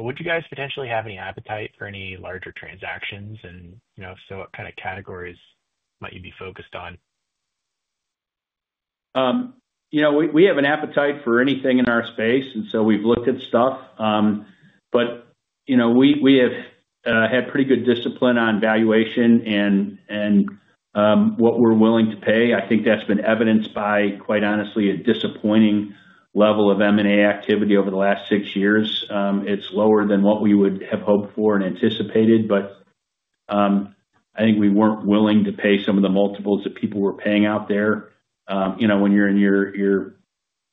Would you guys potentially have any appetite for any larger transactions? If so, what kind of categories might you be focused on? We have an appetite for anything in our space. We have looked at stuff. We have had pretty good discipline on valuation and what we are willing to pay. I think that has been evidenced by, quite honestly, a disappointing level of M&A activity over the last six years. It is lower than what we would have hoped for and anticipated. I think we were not willing to pay some of the multiples that people were paying out there. When you are in your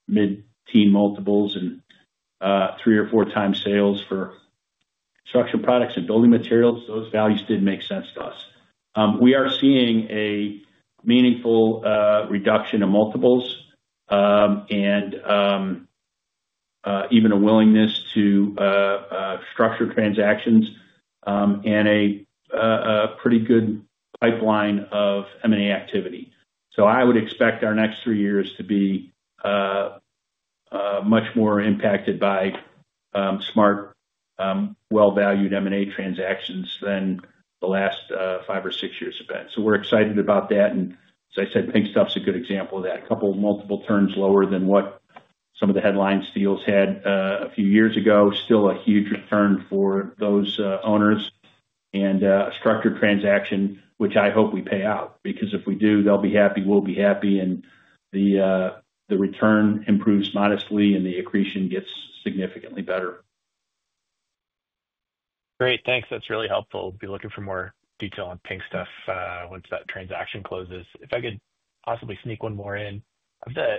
mid-teen multiples and three or four times sales for construction products and building materials, those values did not make sense to us. We are seeing a meaningful reduction in multiples and even a willingness to structure transactions and a pretty good pipeline of M&A activity. I would expect our next three years to be much more impacted by smart, well-valued M&A transactions than the last five or six years have been. We are excited about that. As I said, Pink Stuff's a good example of that. A couple of multiple turns lower than what some of the headline deals had a few years ago. Still a huge return for those owners and a structured transaction, which I hope we pay out. Because if we do, they will be happy, we will be happy. The return improves modestly and the accretion gets significantly better. Great. Thanks. That's really helpful. I'll be looking for more detail on Pink Stuff once that transaction closes. If I could possibly sneak one more in, of the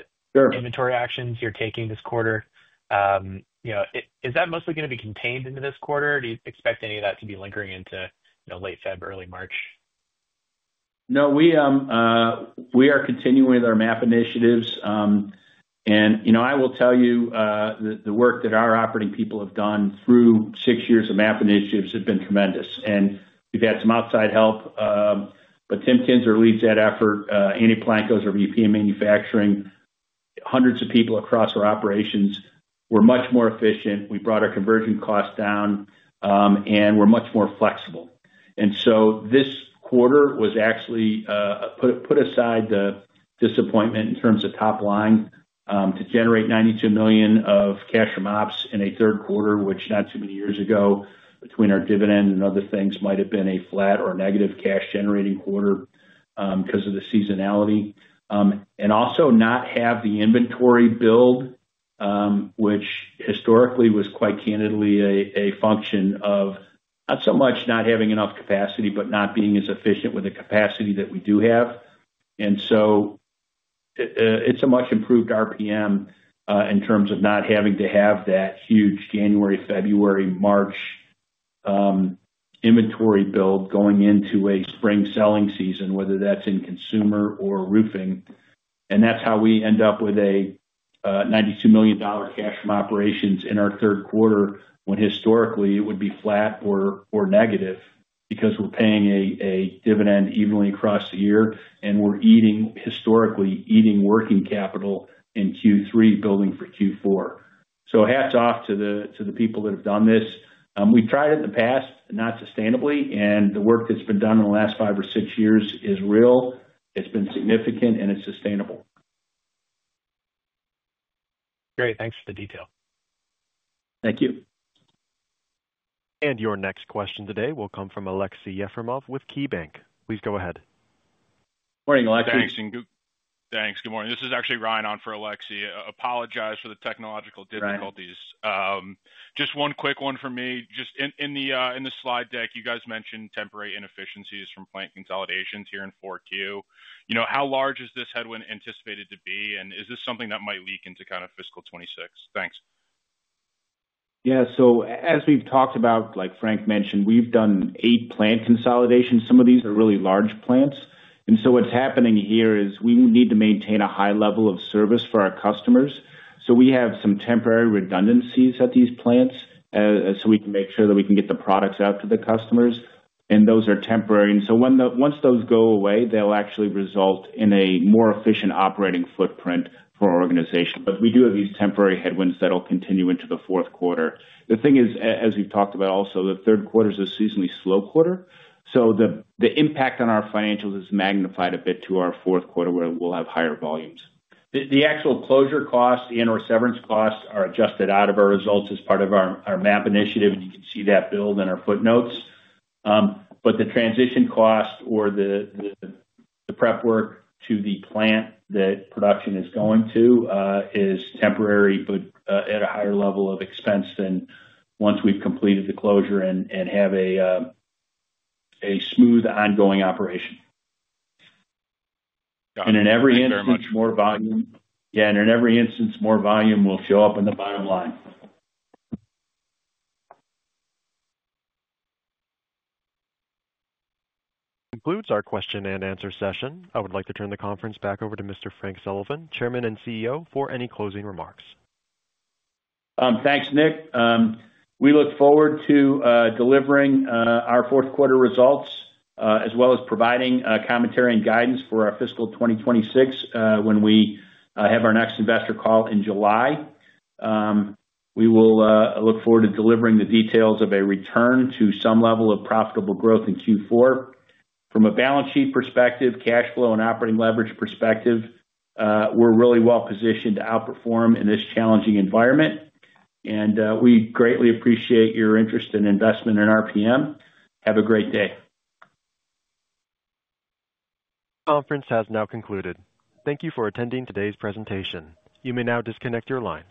inventory actions you're taking this quarter, is that mostly going to be contained into this quarter? Do you expect any of that to be lingering into late February, early March? No, we are continuing with our MAP initiatives. I will tell you the work that our operating people have done through six years of MAP initiatives has been tremendous. We have had some outside help. Tim Kinser leads that effort. Andy Polanco over at RPM manufacturing. Hundreds of people across our operations were much more efficient. We brought our conversion costs down and were much more flexible. This quarter was actually, put aside the disappointment in terms of top line, to generate $92 million of cash from ops in a third quarter, which not too many years ago between our dividend and other things might have been a flat or negative cash-generating quarter because of the seasonality. Also not have the inventory build, which historically was quite candidly a function of not so much not having enough capacity, but not being as efficient with the capacity that we do have. It is a much improved RPM in terms of not having to have that huge January, February, March inventory build going into a spring selling season, whether that is in consumer or roofing. That is how we end up with a $92 million cash from operations in our third quarter when historically it would be flat or negative because we are paying a dividend evenly across the year and we are historically eating working capital in Q3 building for Q4. Hats off to the people that have done this. We have tried it in the past, not sustainably. The work that has been done in the last five or six years is real. It's been significant and it's sustainable. Great. Thanks for the detail. Thank you. Your next question today will come from Alexei Yefremov with KeyBanc. Please go ahead. Morning, Alexei. Thanks. Thanks. Good morning. This is actually Ryan on for Alexei. Apologize for the technological difficulties. Just one quick one from me. Just in the slide deck, you guys mentioned temporary inefficiencies from plant consolidations here in Q4. How large is this headwind anticipated to be? Is this something that might leak into kind of fiscal 2026? Thanks. Yeah. As we've talked about, like Frank mentioned, we've done eight plant consolidations. Some of these are really large plants. What's happening here is we need to maintain a high level of service for our customers. We have some temporary redundancies at these plants so we can make sure that we can get the products out to the customers. Those are temporary. Once those go away, they'll actually result in a more efficient operating footprint for our organization. We do have these temporary headwinds that will continue into the fourth quarter. The thing is, as we've talked about also, the third quarter is a seasonally slow quarter. The impact on our financials is magnified a bit to our fourth quarter where we'll have higher volumes. The actual closure costs, the annual severance costs are adjusted out of our results as part of our MAP initiative. You can see that billed in our footnotes. The transition cost or the prep work to the plant that production is going to is temporary, but at a higher level of expense than once we have completed the closure and have a smooth ongoing operation. In every instance, more volume. Yeah. In every instance, more volume will show up in the bottom line. Concludes our question and answer session. I would like to turn the conference back over to Mr. Frank Sullivan, Chairman and CEO, for any closing remarks. Thanks, Nick. We look forward to delivering our fourth quarter results as well as providing commentary and guidance for our fiscal 2026 when we have our next investor call in July. We will look forward to delivering the details of a return to some level of profitable growth in Q4. From a balance sheet perspective, cash flow, and operating leverage perspective, we are really well positioned to outperform in this challenging environment. We greatly appreciate your interest and investment in RPM. Have a great day. Conference has now concluded. Thank you for attending today's presentation. You may now disconnect your lines.